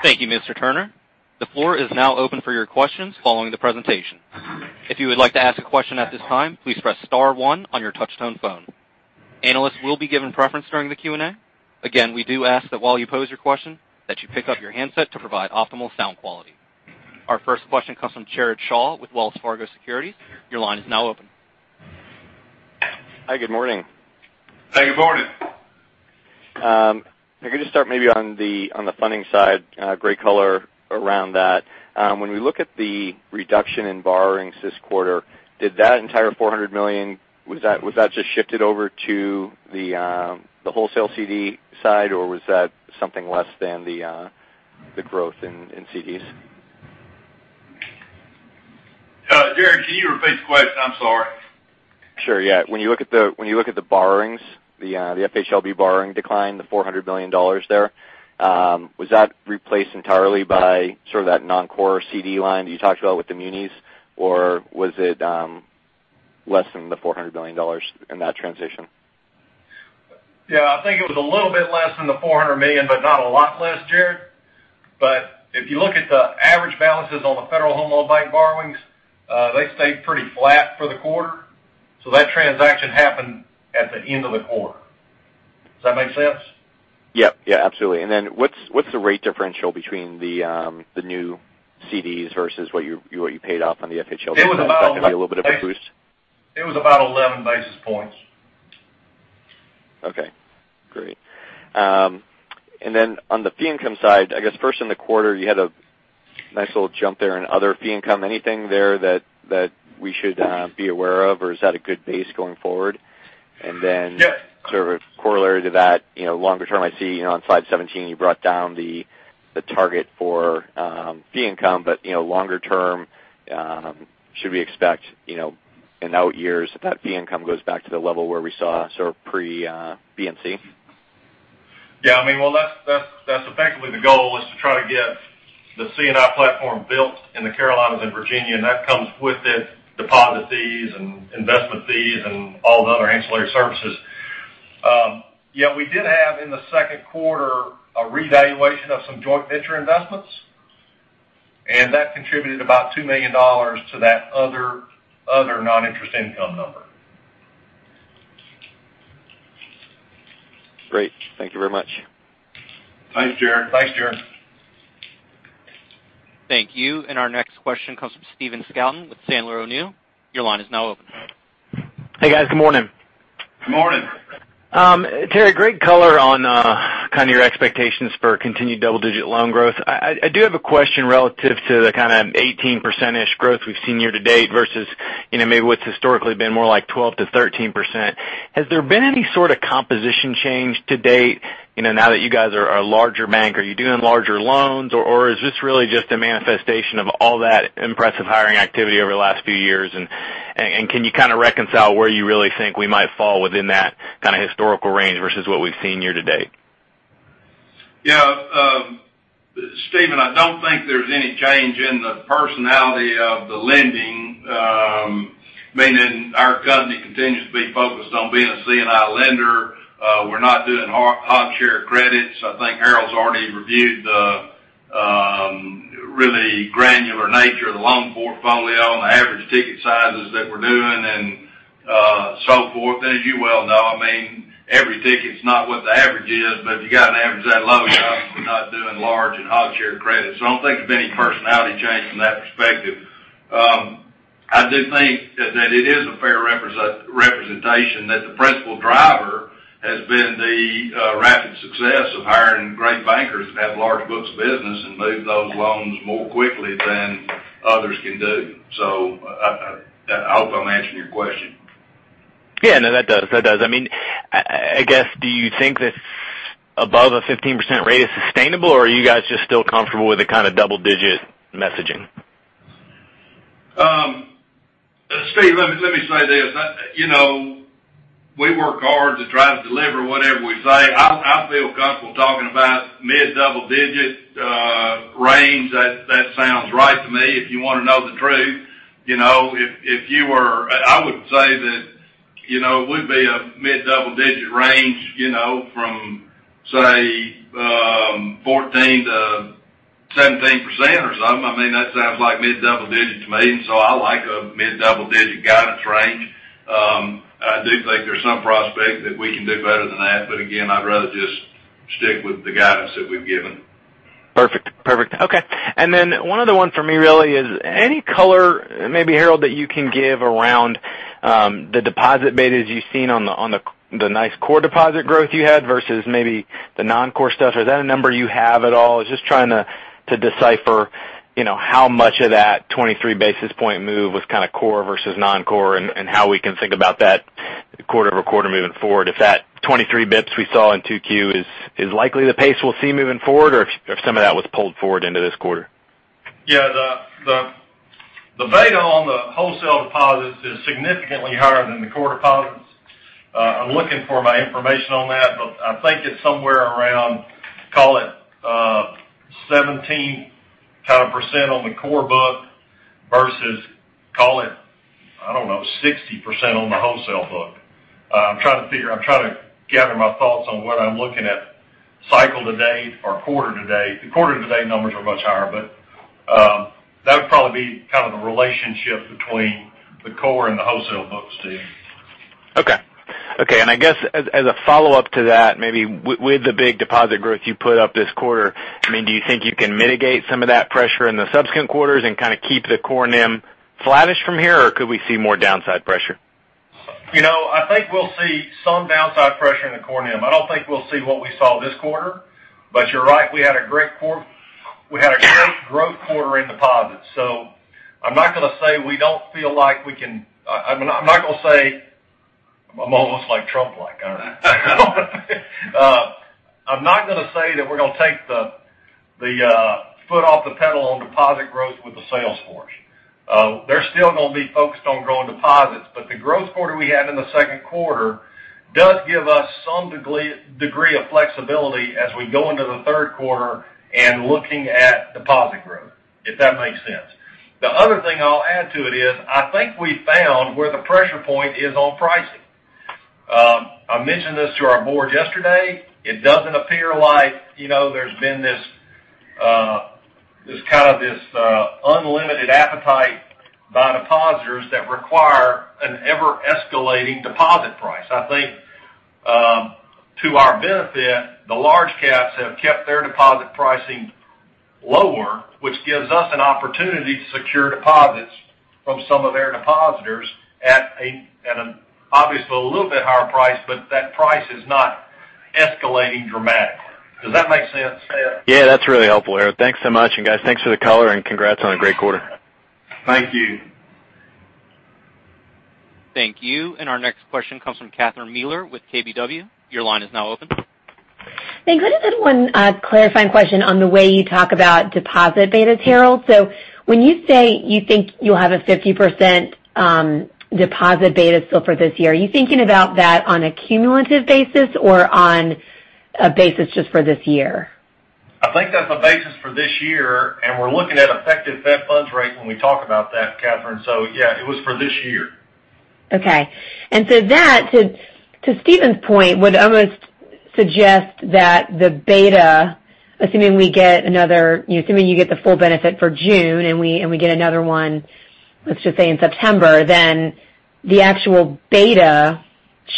Thank you, Mr. Turner. The floor is now open for your questions following the presentation. If you would like to ask a question at this time, please press * one on your touchtone phone. Analysts will be given preference during the Q&A. Again, we do ask that while you pose your question, that you pick up your handset to provide optimal sound quality. Our first question comes from Jared Shaw with Wells Fargo Securities. Your line is now open. Hi, good morning. Good morning. If I could just start maybe on the funding side, get some color around that. When we look at the reduction in borrowings this quarter, did that entire $400 million, was that just shifted over to the wholesale CD side, or was that something less than the growth in CDs? Jared, can you repeat the question? I'm sorry. Sure, yeah. When you look at the borrowings, the FHLB borrowing decline, the $400 million there, was that replaced entirely by sort of that non-core CD line that you talked about with the munis, or was it less than the $400 million in that transition? Yeah, I think it was a little bit less than the $400 million, but not a lot less, Jared. If you look at the average balances on the Federal Home Loan Bank borrowings, they stayed pretty flat for the quarter. That transaction happened at the end of the quarter. Does that make sense? Yep. Yeah, absolutely. What's the rate differential between the new CDs versus what you paid off on the FHLB? Is that going to be a little bit of a boost? It was about 11 basis points. Okay, great. On the fee income side, I guess first in the quarter, you had a nice little jump there in other fee income. Anything there that we should be aware of, or is that a good base going forward? Sort of corollary to that, longer term, I see on slide 17, you brought down the target for fee income, longer term, should we expect in out years that fee income goes back to the level where we saw sort of pre-BNC? Yeah. Well, that's effectively the goal is to try to get the C&I platform built in the Carolinas and Virginia, that comes with it deposit fees and investment fees and all the other ancillary services. We did have, in the second quarter, a revaluation of some joint venture investments, that contributed about $2 million to that other non-interest income number. Great. Thank you very much. Thanks, Jared. Thank you. Our next question comes from Stephen Scouten with Sandler O'Neill. Your line is now open. Hey, guys. Good morning. Good morning. Terry, great color on kind of your expectations for continued double-digit loan growth. I do have a question relative to the kind of 18%-ish growth we've seen year to date versus maybe what's historically been more like 12%-13%. Has there been any sort of composition change to date now that you guys are a larger bank? Are you doing larger loans, or is this really just a manifestation of all that impressive hiring activity over the last few years? Can you kind of reconcile where you really think we might fall within that kind of historical range versus what we've seen year to date? Yeah. Stephen, I don't think there's any change in the personality of the lending, meaning our company continues to be focused on being a C&I lender. We're not doing hog share credits. I think Harold's already reviewed the really granular nature of the loan portfolio and the average ticket sizes that we're doing and so forth. As you well know, every ticket's not what the average is, but if you've got to average that loan out, we're not doing large and hog share credits. I don't think there's any personality change from that perspective. I do think that it is a fair representation that the principal driver has been the rapid success of hiring great bankers that have large books of business and move those loans more quickly than others can do. I hope I'm answering your question. Yeah, no, that does. I guess, do you think that above a 15% rate is sustainable, or are you guys just still comfortable with the kind of double-digit messaging? Stephen, let me say this. We work hard to try to deliver whatever we say. I feel comfortable talking about mid double-digit range. That sounds right to me, if you want to know the truth. I would say that we'd be a mid double-digit range from, say, 14%-17% or something. That sounds like mid double-digit to me. I like a mid double-digit guidance range. I do think there's some prospect that we can do better than that. Again, I'd rather just stick with the guidance that we've given. Perfect. Okay. One other one for me really is any color, maybe Harold, that you can give around the deposit betas you've seen on the nice core deposit growth you had versus maybe the non-core stuff. Is that a number you have at all? Just trying to decipher how much of that 23 basis point move was kind of core versus non-core and how we can think about that quarter-over-quarter moving forward. If that 23 basis points we saw in 2Q is likely the pace we'll see moving forward, or if some of that was pulled forward into this quarter. The beta on the wholesale deposits is significantly higher than the core deposits. I'm looking for my information on that. I think it's somewhere around, call it, 17% on the core book versus, call it, I don't know, 60% on the wholesale book. I'm trying to gather my thoughts on what I'm looking at cycle-to-date or quarter-to-date. The quarter-to-date numbers are much higher. That would probably be kind of the relationship between the core and the wholesale books, Stephen. Okay. I guess as a follow-up to that, maybe with the big deposit growth you put up this quarter, do you think you can mitigate some of that pressure in the subsequent quarters and kind of keep the core NIM flattish from here, or could we see more downside pressure? I think we'll see some downside pressure in the core NIM. I don't think we'll see what we saw this quarter, but you're right, we had a great growth quarter in deposits. I'm not going to say, I'm almost Trump-like, aren't I? I'm not going to say that we're going to take the foot off the pedal on deposit growth with the sales force. They're still going to be focused on growing deposits, but the growth quarter we had in the second quarter does give us some degree of flexibility as we go into the third quarter and looking at deposit growth, if that makes sense. The other thing I'll add to it is, I think we found where the pressure point is on pricing. I mentioned this to our Board yesterday. It doesn't appear like there's been this unlimited appetite by depositors that require an ever-escalating deposit price. I think, to our benefit, the large caps have kept their deposit pricing lower, which gives us an opportunity to secure deposits from some of their depositors at an, obviously, a little bit higher price, but that price is not escalating dramatically. Does that make sense, Stephen? Yeah, that's really helpful, Harold. Thanks so much. Guys, thanks for the color and congrats on a great quarter. Thank you. Thank you. Our next question comes from Catherine Mealor with KBW. Your line is now open. Thanks. Could I just add one clarifying question on the way you talk about deposit betas, Harold? When you say you think you'll have a 50% deposit beta still for this year, are you thinking about that on a cumulative basis or on a basis just for this year? I think that's a basis for this year, and we're looking at effective Fed funds rate when we talk about that, Catherine. Yeah, it was for this year. Okay. That, to Stephen's point, would almost suggest that the beta, assuming you get the full benefit for June, and we get another one, let's just say in September, then the actual beta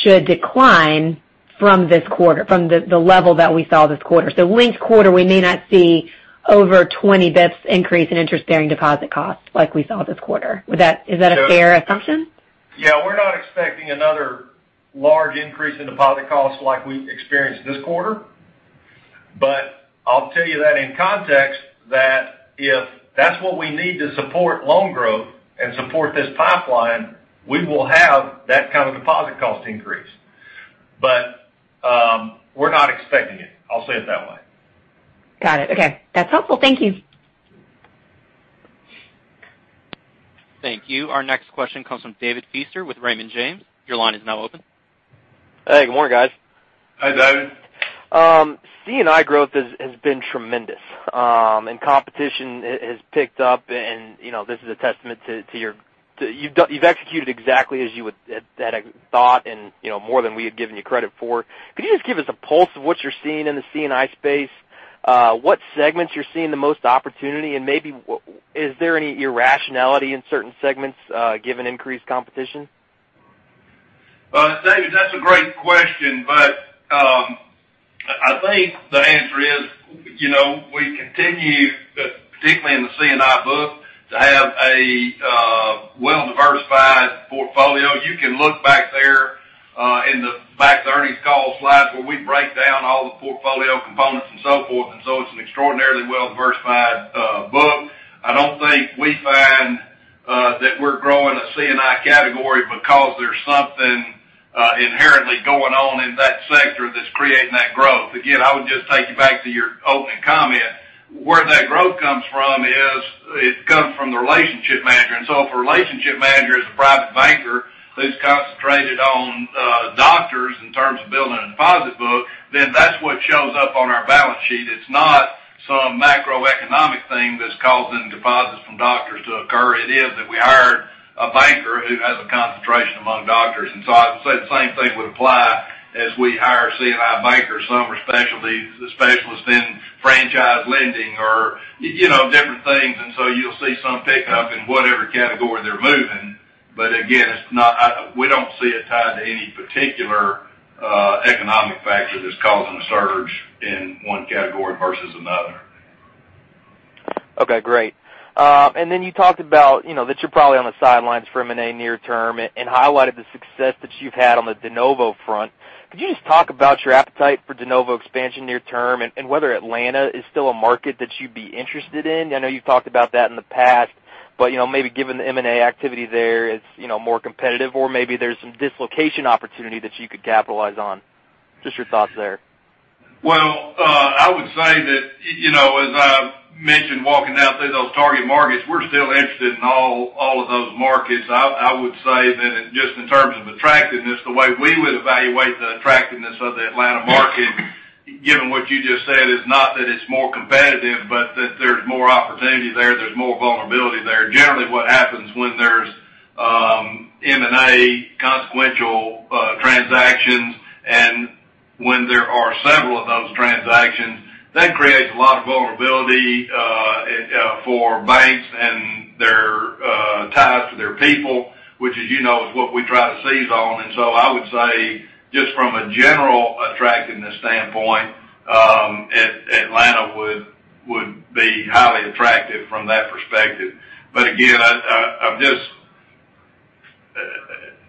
should decline from the level that we saw this quarter. Linked quarter, we may not see over 20 basis points increase in interest-bearing deposit costs like we saw this quarter. Is that a fair assumption? Yeah, we're not expecting another large increase in deposit costs like we experienced this quarter. I'll tell you that in context, that if that's what we need to support loan growth and support this pipeline, we will have that kind of deposit cost increase. We're not expecting it. I'll say it that way. Got it. Okay. That's helpful. Thank you. Thank you. Our next question comes from David Feaster with Raymond James. Your line is now open. Hey, good morning, guys. Hi, David. C&I growth has been tremendous. Competition has picked up, and this is a testament to you. You've executed exactly as you had thought and more than we had given you credit for. Could you just give us a pulse of what you're seeing in the C&I space, what segments you're seeing the most opportunity, and maybe is there any irrationality in certain segments given increased competition? David, that's a great question, but I think the answer is, we continue, particularly in the C&I book, to have a well-diversified portfolio. You can look back there in the back earnings call slides where we break down all the portfolio components and so forth. It's an extraordinarily well-diversified book. I don't think we find that we're growing a C&I category because there's something inherently going on in that sector that's creating that growth. Again, I would just take you back to your opening comment. Where that growth comes from is it comes from the relationship manager. If a relationship manager is a private banker who's concentrated on doctors in terms of building a deposit book, then that's what shows up on our balance sheet. It's not some macroeconomic thing that's causing deposits from doctors to occur. It is that we hired a banker who has a concentration among doctors. I would say the same thing would apply as we hire C&I bankers. Some are specialists in franchise lending or different things. You'll see some pickup in whatever category they're moving. Again, we don't see it tied to any particular economic factor that's causing a surge in one category versus another. Okay, great. You talked about that you're probably on the sidelines for M&A near term and highlighted the success that you've had on the de novo front. Could you just talk about your appetite for de novo expansion near term and whether Atlanta is still a market that you'd be interested in? I know you've talked about that in the past, maybe given the M&A activity there, it's more competitive or maybe there's some dislocation opportunity that you could capitalize on. Just your thoughts there. I would say that, as I mentioned, walking now through those target markets, we're still interested in all of those markets. I would say that just in terms of attractiveness, the way we would evaluate the attractiveness of the Atlanta market, given what you just said, is not that it's more competitive, but that there's more opportunity there's more vulnerability there. Generally, what happens when there's M&A consequential transactions, and when there are several of those transactions, that creates a lot of vulnerability for banks and their ties to their people, which as you know is what we try to seize on. I would say just from a general attractiveness standpoint, Atlanta would be highly attractive from that perspective. Again,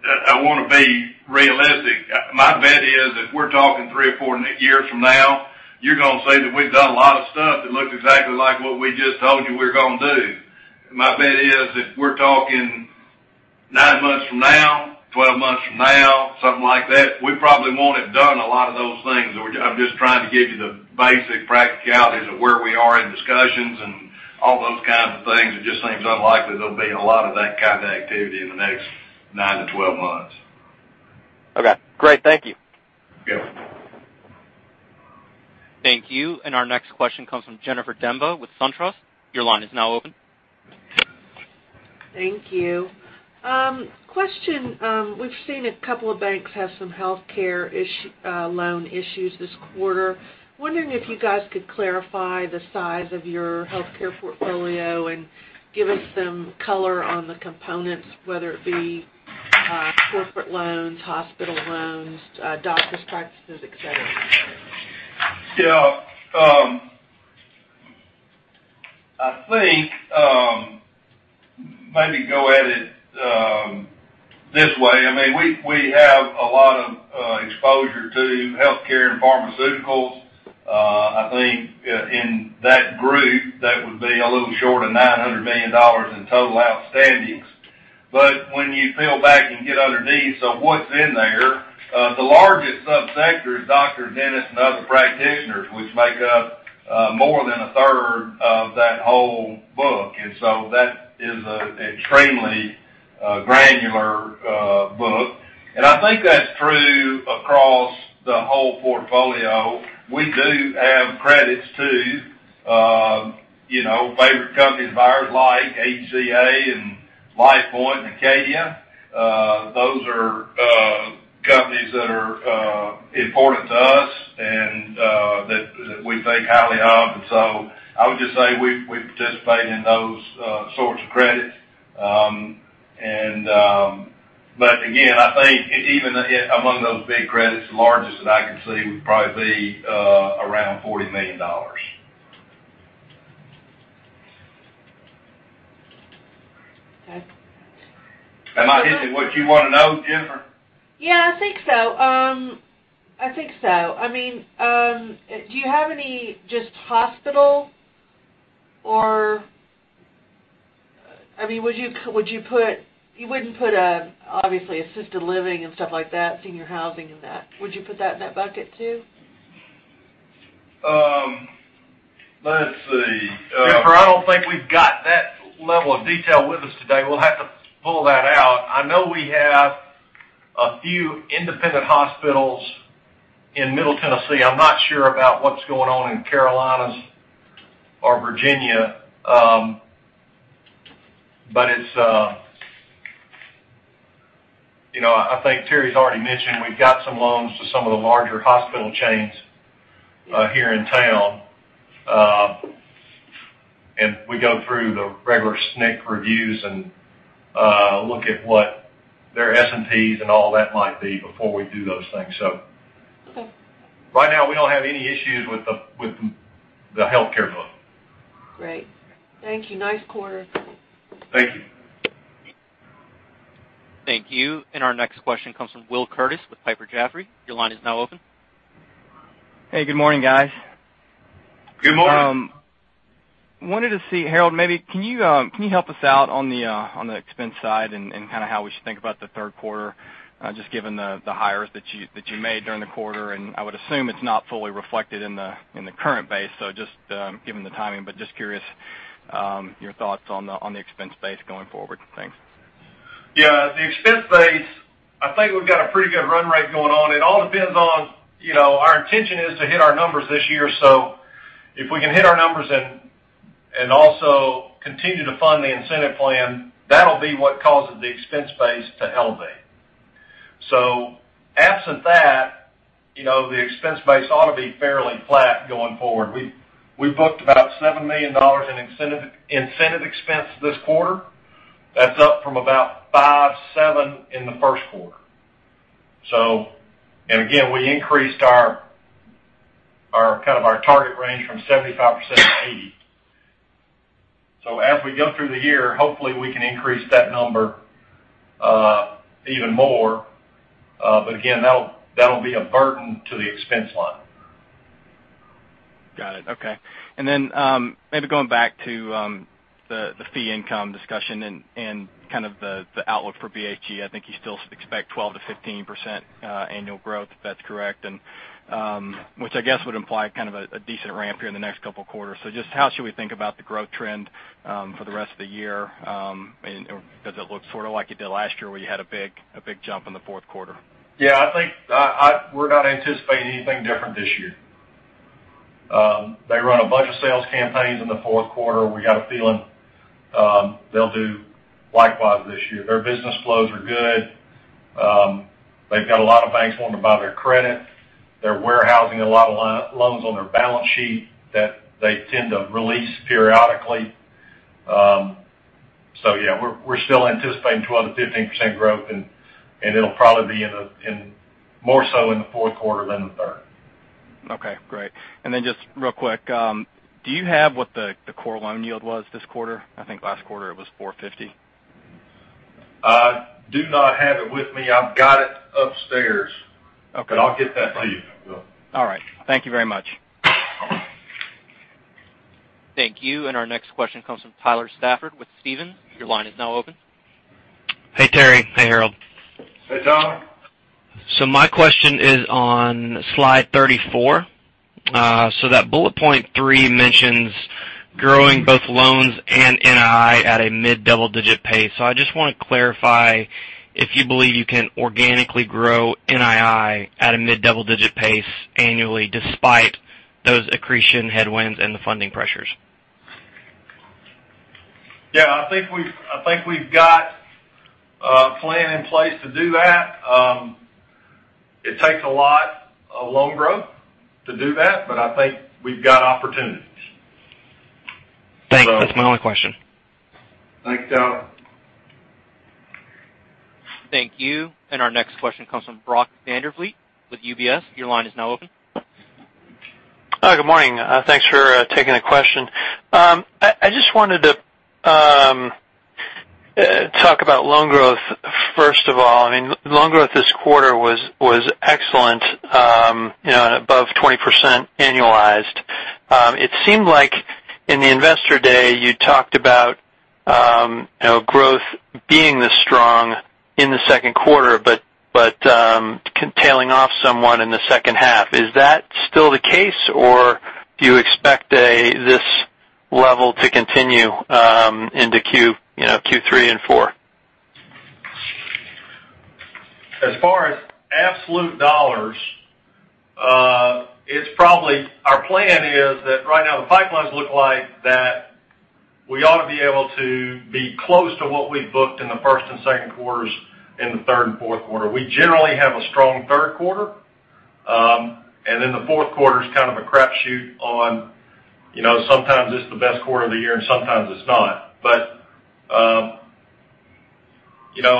I want to be realistic. My bet is if we're talking three or four years from now, you're going to see that we've done a lot of stuff that looks exactly like what we just told you we were going to do. My bet is if we're talking nine months from now, 12 months from now, something like that, we probably won't have done a lot of those things. I'm just trying to give you the basic practicalities of where we are in discussions and all those kinds of things. It just seems unlikely there'll be a lot of that kind of activity in the next nine to 12 months. Okay, great. Thank you. Yep. Thank you. Our next question comes from Jennifer Demba with SunTrust. Your line is now open. Thank you. Question, we've seen a couple of banks have some healthcare loan issues this quarter. Wondering if you guys could clarify the size of your healthcare portfolio and give us some color on the components, whether it be corporate loans, hospital loans, doctors' practices, et cetera. I think maybe go at it this way in pharmaceuticals. I think in that group, that would be a little short of $900 million in total outstandings. When you peel back and get underneath of what's in there, the largest sub-sector is doctors, dentists, and other practitioners, which make up more than a third of that whole book. That is an extremely granular book. I think that's true across the whole portfolio. We do have credits, too. Favorite companies of ours like HCA, LifePoint, and Acadia. Those are companies that are important to us and that we think highly of. I would just say we participate in those sorts of credits. Again, I think even among those big credits, the largest that I can see would probably be around $40 million. Okay. Am I hitting what you want to know, Jennifer? Yeah, I think so. Do you have any just hospital? You wouldn't put, obviously, assisted living and stuff like that, senior housing and that. Would you put that in that bucket, too? Let's see. Jennifer, I don't think we've got that level of detail with us today. We'll have to pull that out. I know we have a few independent hospitals in Middle Tennessee. I'm not sure about what's going on in Carolinas or Virginia. I think Terry's already mentioned we've got some loans to some of the larger hospital chains here in town. We go through the regular SNC reviews and look at what their S&Ps and all that might be before we do those things. Okay. Right now, we don't have any issues with the healthcare book. Great. Thank you. Nice quarter. Thank you. Thank you. Our next question comes from Will Curtiss with Piper Jaffray. Your line is now open. Hey, good morning, guys. Good morning. Wanted to see, Harold, maybe can you help us out on the expense side and kind of how we should think about the third quarter, just given the hires that you made during the quarter. I would assume it's not fully reflected in the current base, just given the timing, but just curious your thoughts on the expense base going forward. Thanks. The expense base, I think we've got a pretty good run rate going on. It all depends on our intention is to hit our numbers this year. If we can hit our numbers and also continue to fund the incentive plan, that'll be what causes the expense base to elevate. Absent that, the expense base ought to be fairly flat going forward. We booked about $7 million in incentive expense this quarter. That's up from about five, seven in the first quarter. We increased our target range from 75%-80%. As we go through the year, hopefully, we can increase that number even more. That'll be a burden to the expense line. Got it. Then maybe going back to the fee income discussion and kind of the outlook for BHG, I think you still expect 12%-15% annual growth, if that's correct. Which I guess would imply kind of a decent ramp here in the next couple of quarters. Just how should we think about the growth trend for the rest of the year? Does it look sort of like it did last year where you had a big jump in the fourth quarter? Yeah, I think we're not anticipating anything different this year. They run a bunch of sales campaigns in the fourth quarter. We got a feeling they'll do likewise this year. Their business flows are good. They've got a lot of banks wanting to buy their credit. They're warehousing a lot of loans on their balance sheet that they tend to release periodically. Yeah, we're still anticipating 12%-15% growth, and it'll probably be more so in the fourth quarter than the third. Okay, great. Just real quick, do you have what the core loan yield was this quarter? I think last quarter it was 450. I do not have it with me. I've got it upstairs. Okay. I'll get that to you. All right. Thank you very much. Thank you. Our next question comes from Tyler Stafford with Stephens. Your line is now open. Hey, Terry. Hey, Harold. Hey, Tyler. My question is on slide 34. That bullet point three mentions growing both loans and NII at a mid-double digit pace. I just want to clarify if you believe you can organically grow NII at a mid-double digit pace annually despite those accretion headwinds and the funding pressures. Yeah, I think we've got a plan in place to do that. It takes a lot of loan growth to do that, but I think we've got opportunities. Thanks. That's my only question. Thanks, Tyler. Thank you. Our next question comes from Brock Vandervliet with UBS. Your line is now open. Good morning. Thanks for taking the question. I just wanted to Talk about loan growth, first of all. Loan growth this quarter was excellent, above 20% annualized. It seemed like in the Investor Day you talked about growth being this strong in the second quarter, but tailing off somewhat in the second half. Is that still the case, or do you expect this level to continue into Q3 and four? As far as absolute dollars, our plan is that right now the pipelines look like that we ought to be able to be close to what we've booked in the first and second quarters, in the third and fourth quarter. We generally have a strong third quarter, then the fourth quarter is kind of a crapshoot on, sometimes it's the best quarter of the year and sometimes it's not.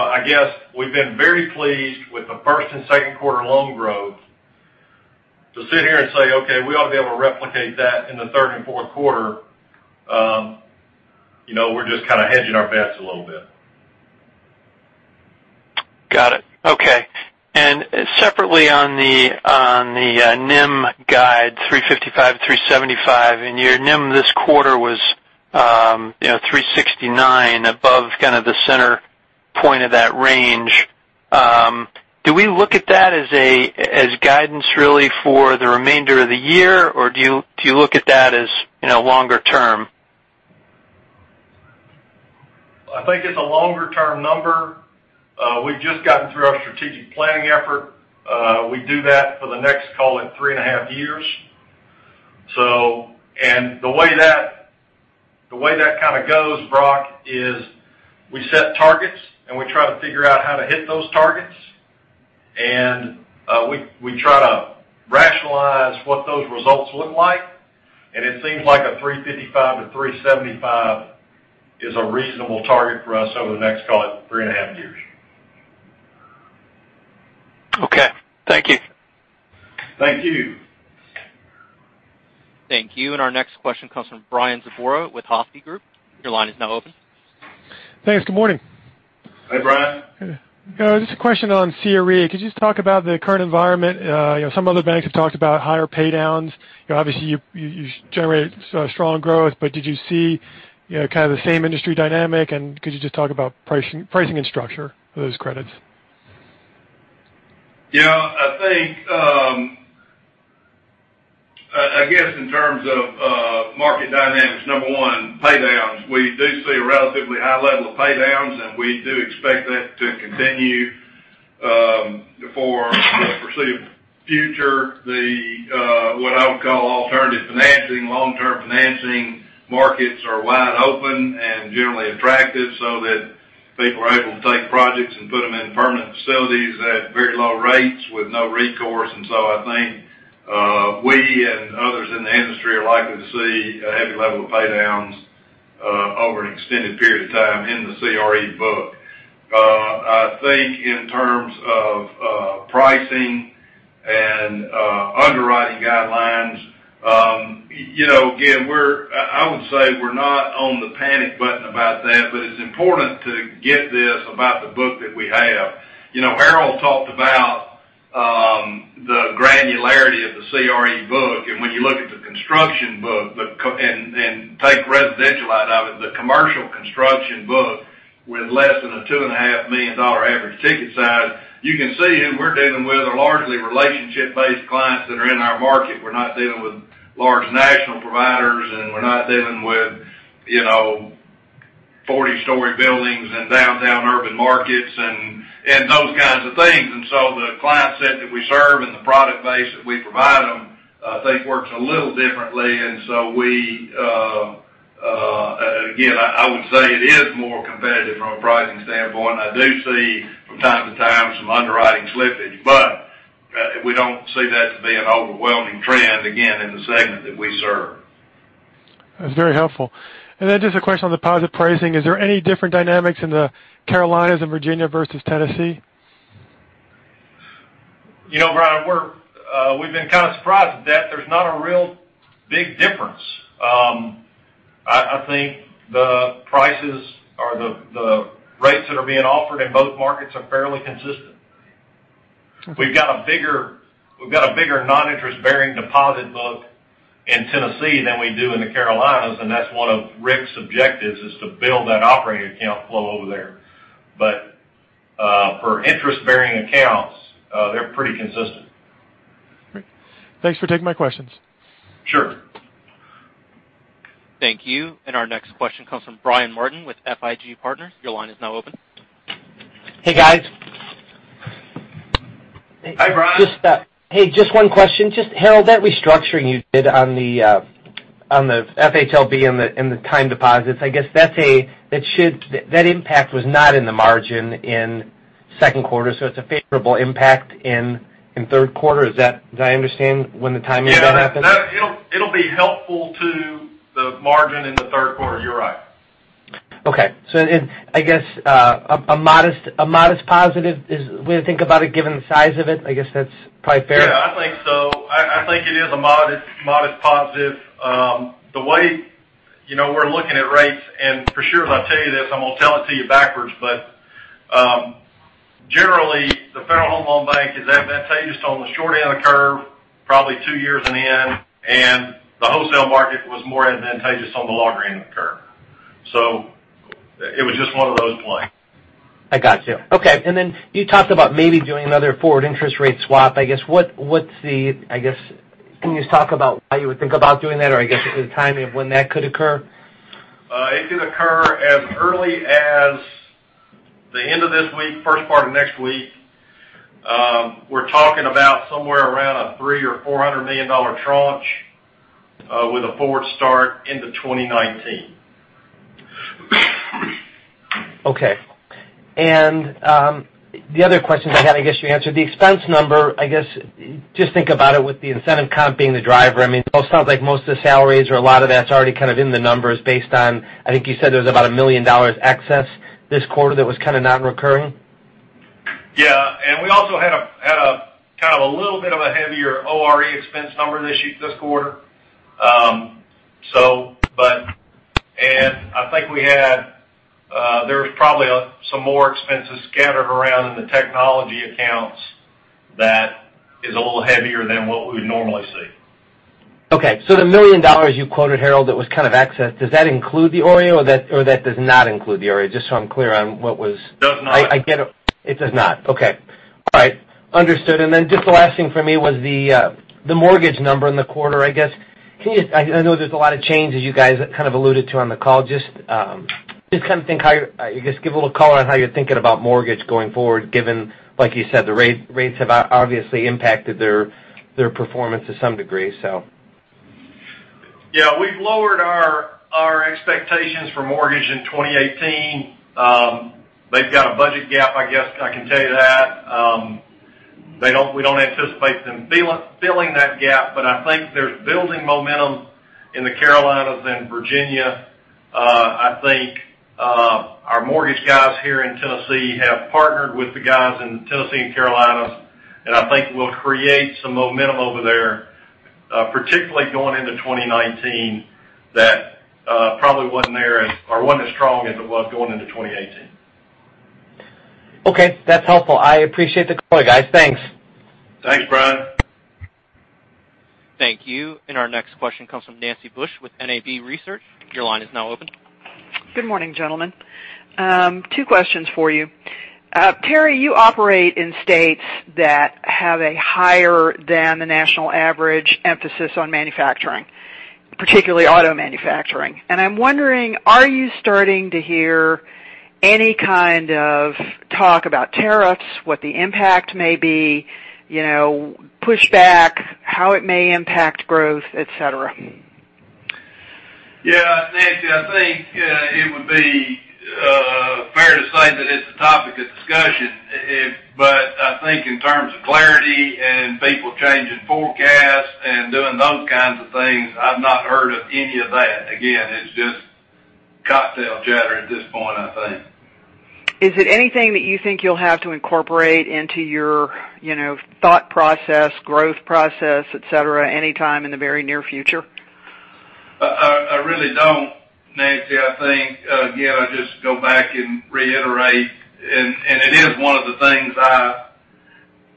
I guess we've been very pleased with the first and second quarter loan growth. To sit here and say, okay, we ought to be able to replicate that in the third and fourth quarter, we're just kind of hedging our bets a little bit. Got it. Okay. Separately on the NIM guide, 355, 375, and your NIM this quarter was 369, above kind of the center point of that range. Do we look at that as guidance really for the remainder of the year, or do you look at that as longer term? I think it's a longer-term number. We've just gotten through our strategic planning effort. We do that for the next, call it three and a half years. The way that kind of goes, Brock, is we set targets, and we try to figure out how to hit those targets. We try to rationalize what those results look like, and it seems like a 355-375 is a reasonable target for us over the next, call it three and a half years. Okay. Thank you. Thank you. Thank you. Our next question comes from Brian Zabora with Hovde Group. Your line is now open. Thanks. Good morning. Hey, Brian. Just a question on CRE. Could you just talk about the current environment? Some other banks have talked about higher pay downs. Obviously, you generate strong growth, but did you see kind of the same industry dynamic, and could you just talk about pricing and structure of those credits? In terms of market dynamics, number one, pay downs, we do see a relatively high level of pay downs, and we do expect that to continue for the foreseeable future. What I would call alternative financing, long-term financing markets are wide open and generally attractive, so that people are able to take projects and put them in permanent facilities at very low rates with no recourse. I think we and others in the industry are likely to see a heavy level of pay downs over an extended period of time in the CRE book. I think in terms of pricing and underwriting guidelines, again, I would say we're not on the panic button about that, but it's important to get this about the book that we have. Harold talked about the granularity of the CRE book, when you look at the construction book and take residential out of it, the commercial construction book with less than a $2.5 million average ticket size, you can see who we're dealing with are largely relationship-based clients that are in our market. We're not dealing with large national providers, and we're not dealing with 40-story buildings in downtown urban markets and those kinds of things. The client set that we serve and the product base that we provide them, I think works a little differently. Again, I would say it is more competitive from a pricing standpoint, and I do see from time to time some underwriting slippage. We don't see that to be an overwhelming trend, again, in the segment that we serve. That's very helpful. Just a question on deposit pricing. Is there any different dynamics in the Carolinas and Virginia versus Tennessee? Brian, we've been kind of surprised at that. There's not a real big difference. I think the prices or the rates that are being offered in both markets are fairly consistent. Okay. We've got a bigger non-interest bearing deposit book in Tennessee than we do in the Carolinas, that's one of Rick's objectives is to build that operating account flow over there. For interest bearing accounts, they're pretty consistent. Great. Thanks for taking my questions. Sure. Thank you. Our next question comes from Brian Martin with FIG Partners. Your line is now open. Hey, guys. Hi, Brian. Hey, just one question. Just, Harold, that restructuring you did on the FHLB and the time deposits, I guess that impact was not in the margin in second quarter, so it's a favorable impact in third quarter. Did I understand when the timing of that happens? Yeah, it'll be helpful to the margin in the third quarter. You're right. Okay. I guess a modest positive is the way to think about it, given the size of it. I guess that's probably fair. Yeah, I think so. I think it is a modest positive. The way we're looking at rates, for sure, as I tell you this, I'm going to tell it to you backwards. They're advantageous on the short end of the curve, probably two years in the end, and the wholesale market was more advantageous on the longer end of the curve. It was just one of those plays. I got you. Okay, then you talked about maybe doing another forward interest rate swap, I guess. Can you talk about why you would think about doing that? I guess, the timing of when that could occur? It could occur as early as the end of this week, first part of next week. We're talking about somewhere around a $300 million or $400 million tranche with a forward start into 2019. Okay. The other questions I had, I guess you answered. The expense number, I guess, just think about it with the incentive comp being the driver. It sounds like most of the salaries or a lot of that's already kind of in the numbers based on, I think you said there's about $1 million excess this quarter that was kind of non-recurring? Yeah. We also had a kind of a little bit of a heavier ORE expense number this quarter. I think there's probably some more expenses scattered around in the technology accounts that is a little heavier than what we would normally see. Okay. The $1 million you quoted, Harold, that was kind of excess, does that include the ORE, or that does not include the ORE? Does not. It does not. Okay. All right. Understood. Then just the last thing for me was the mortgage number in the quarter, I guess. I know there's a lot of changes you guys kind of alluded to on the call. Just give a little color on how you're thinking about mortgage going forward, given, like you said, the rates have obviously impacted their performance to some degree. Yeah, we've lowered our expectations for mortgage in 2018. They've got a budget gap, I guess I can tell you that. We don't anticipate them filling that gap. I think there's building momentum in the Carolinas and Virginia. I think our mortgage guys here in Tennessee have partnered with the guys in Tennessee and Carolinas. I think we'll create some momentum over there, particularly going into 2019, that probably wasn't as strong as it was going into 2018. Okay, that's helpful. I appreciate the call, guys. Thanks. Thanks, Brian. Thank you. Our next question comes from Nancy Bush with NAB Research. Your line is now open. Good morning, gentlemen. Two questions for you. Terry, you operate in states that have a higher than the national average emphasis on manufacturing, particularly auto manufacturing. I'm wondering, are you starting to hear any kind of talk about tariffs, what the impact may be, pushback, how it may impact growth, et cetera? Yeah, Nancy, I think it would be fair to say that it's a topic of discussion. I think in terms of clarity and people changing forecasts and doing those kinds of things, I've not heard of any of that. Again, it's just cocktail chatter at this point, I think. Is it anything that you think you'll have to incorporate into your thought process, growth process, et cetera, anytime in the very near future? I really don't, Nancy. I think, again, I just go back and reiterate, it is one of the things I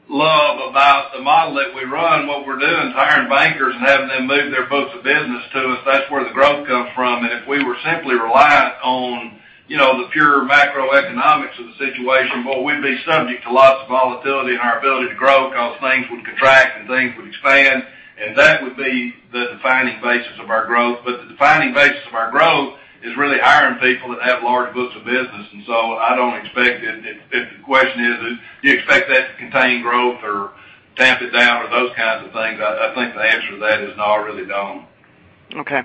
love about the model that we run, what we're doing is hiring bankers and having them move their books of business to us. That's where the growth comes from. If we were simply reliant on the pure macroeconomics of the situation, boy, we'd be subject to lots of volatility in our ability to grow because things would contract, and things would expand, and that would be the defining basis of our growth. The defining basis of our growth is really hiring people that have large books of business. So I don't expect it. If the question is, do you expect that to contain growth or tamp it down or those kinds of things, I think the answer to that is no, I really don't. Okay.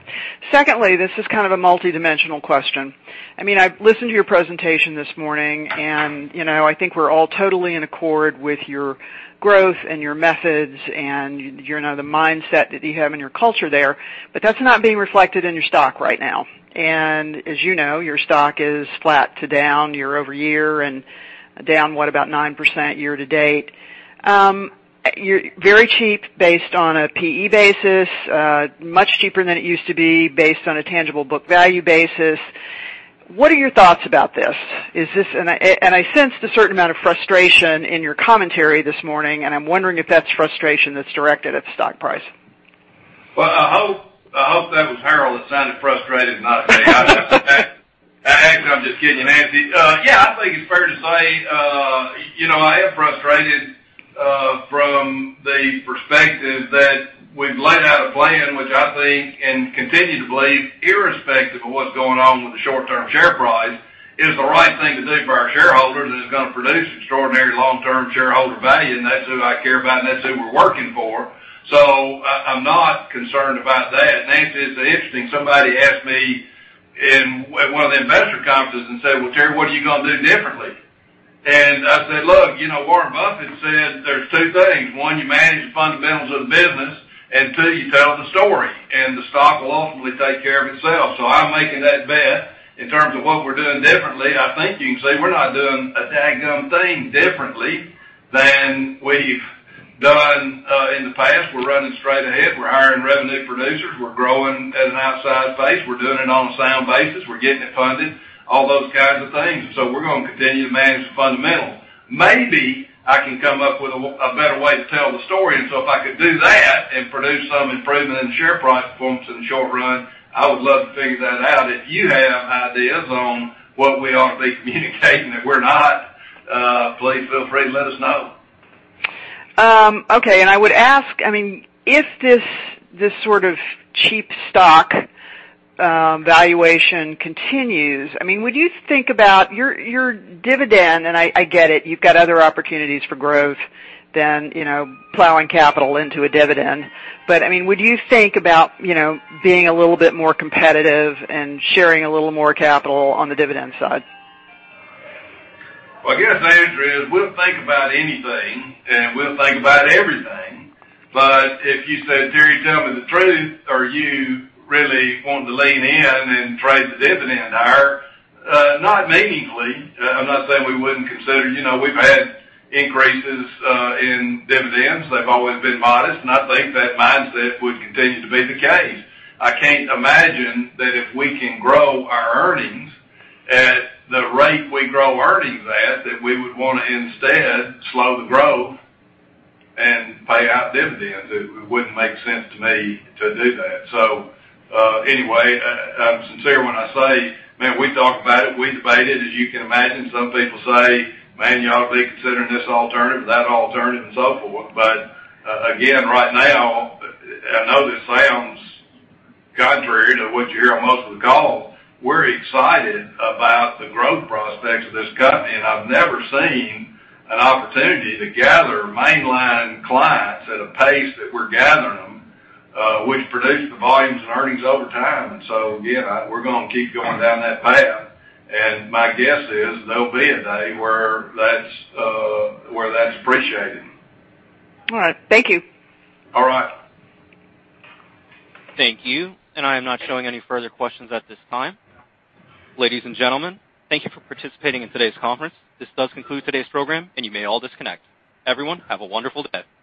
Secondly, this is kind of a multidimensional question. I've listened to your presentation this morning, I think we're all totally in accord with your growth and your methods and the mindset that you have in your culture there, That's not being reflected in your stock right now. As you know, your stock is flat to down year-over-year and down, what, about 9% year-to-date. You're very cheap based on a P/E basis, much cheaper than it used to be based on a tangible book value basis. What are your thoughts about this? I sensed a certain amount of frustration in your commentary this morning, and I'm wondering if that's frustration that's directed at the stock price. Well, I hope that was Harold that sounded frustrated and not me. Actually, I'm just kidding, Nancy. Yeah, I think it's fair to say, I am frustrated from the perspective that we've laid out a plan, which I think and continue to believe, irrespective of what's going on with the short-term share price, is the right thing to do for our shareholders, and it's going to produce extraordinary long-term shareholder value, and that's who I care about, and that's who we're working for. I'm not concerned about that. Nancy, it's interesting. Somebody asked me in one of the investor conferences and said, "Well, Terry, what are you going to do differently?" I said, "Look, Warren Buffett said there's two things. One, you manage the fundamentals of the business, and two, you tell the story, and the stock will ultimately take care of itself." I'm making that bet. In terms of what we're doing differently, I think you can see we're not doing a dadgum thing differently than we've done in the past. We're running straight ahead. We're hiring revenue producers. We're growing at an outsized pace. We're doing it on a sound basis. We're getting it funded, all those kinds of things. We're going to continue to manage the fundamentals. Maybe I can come up with a better way to tell the story. If I could do that and produce some improvement in share price performance in the short run, I would love to figure that out. If you have ideas on what we ought to be communicating that we're not, please feel free to let us know. Okay. I would ask, if this sort of cheap stock valuation continues, would you think about your dividend, I get it, you've got other opportunities for growth than plowing capital into a dividend, Would you think about being a little bit more competitive and sharing a little more capital on the dividend side? I guess the answer is we'll think about anything, and we'll think about everything. If you said, "Terry, tell me the truth. Are you really wanting to lean in and trade the dividend higher?" Not meaningfully. I'm not saying we wouldn't consider. We've had increases in dividends. They've always been modest, and I think that mindset would continue to be the case. I can't imagine that if we can grow our earnings at the rate we grow earnings at, that we would want to instead slow the growth and pay out dividends. It wouldn't make sense to me to do that. Anyway, I'm sincere when I say, man, we talk about it, we debate it. As you can imagine, some people say, "Man, y'all ought to be considering this alternative, that alternative," and so forth. Again, right now, I know this sounds contrary to what you hear on most of the calls, we're excited about the growth prospects of this company, and I've never seen an opportunity to gather mainline clients at a pace that we're gathering them, which produce the volumes and earnings over time. Again, we're going to keep going down that path, and my guess is there'll be a day where that's appreciated. All right. Thank you. All right. Thank you. I am not showing any further questions at this time. Ladies and gentlemen, thank you for participating in today's conference. This does conclude today's program, and you may all disconnect. Everyone, have a wonderful day.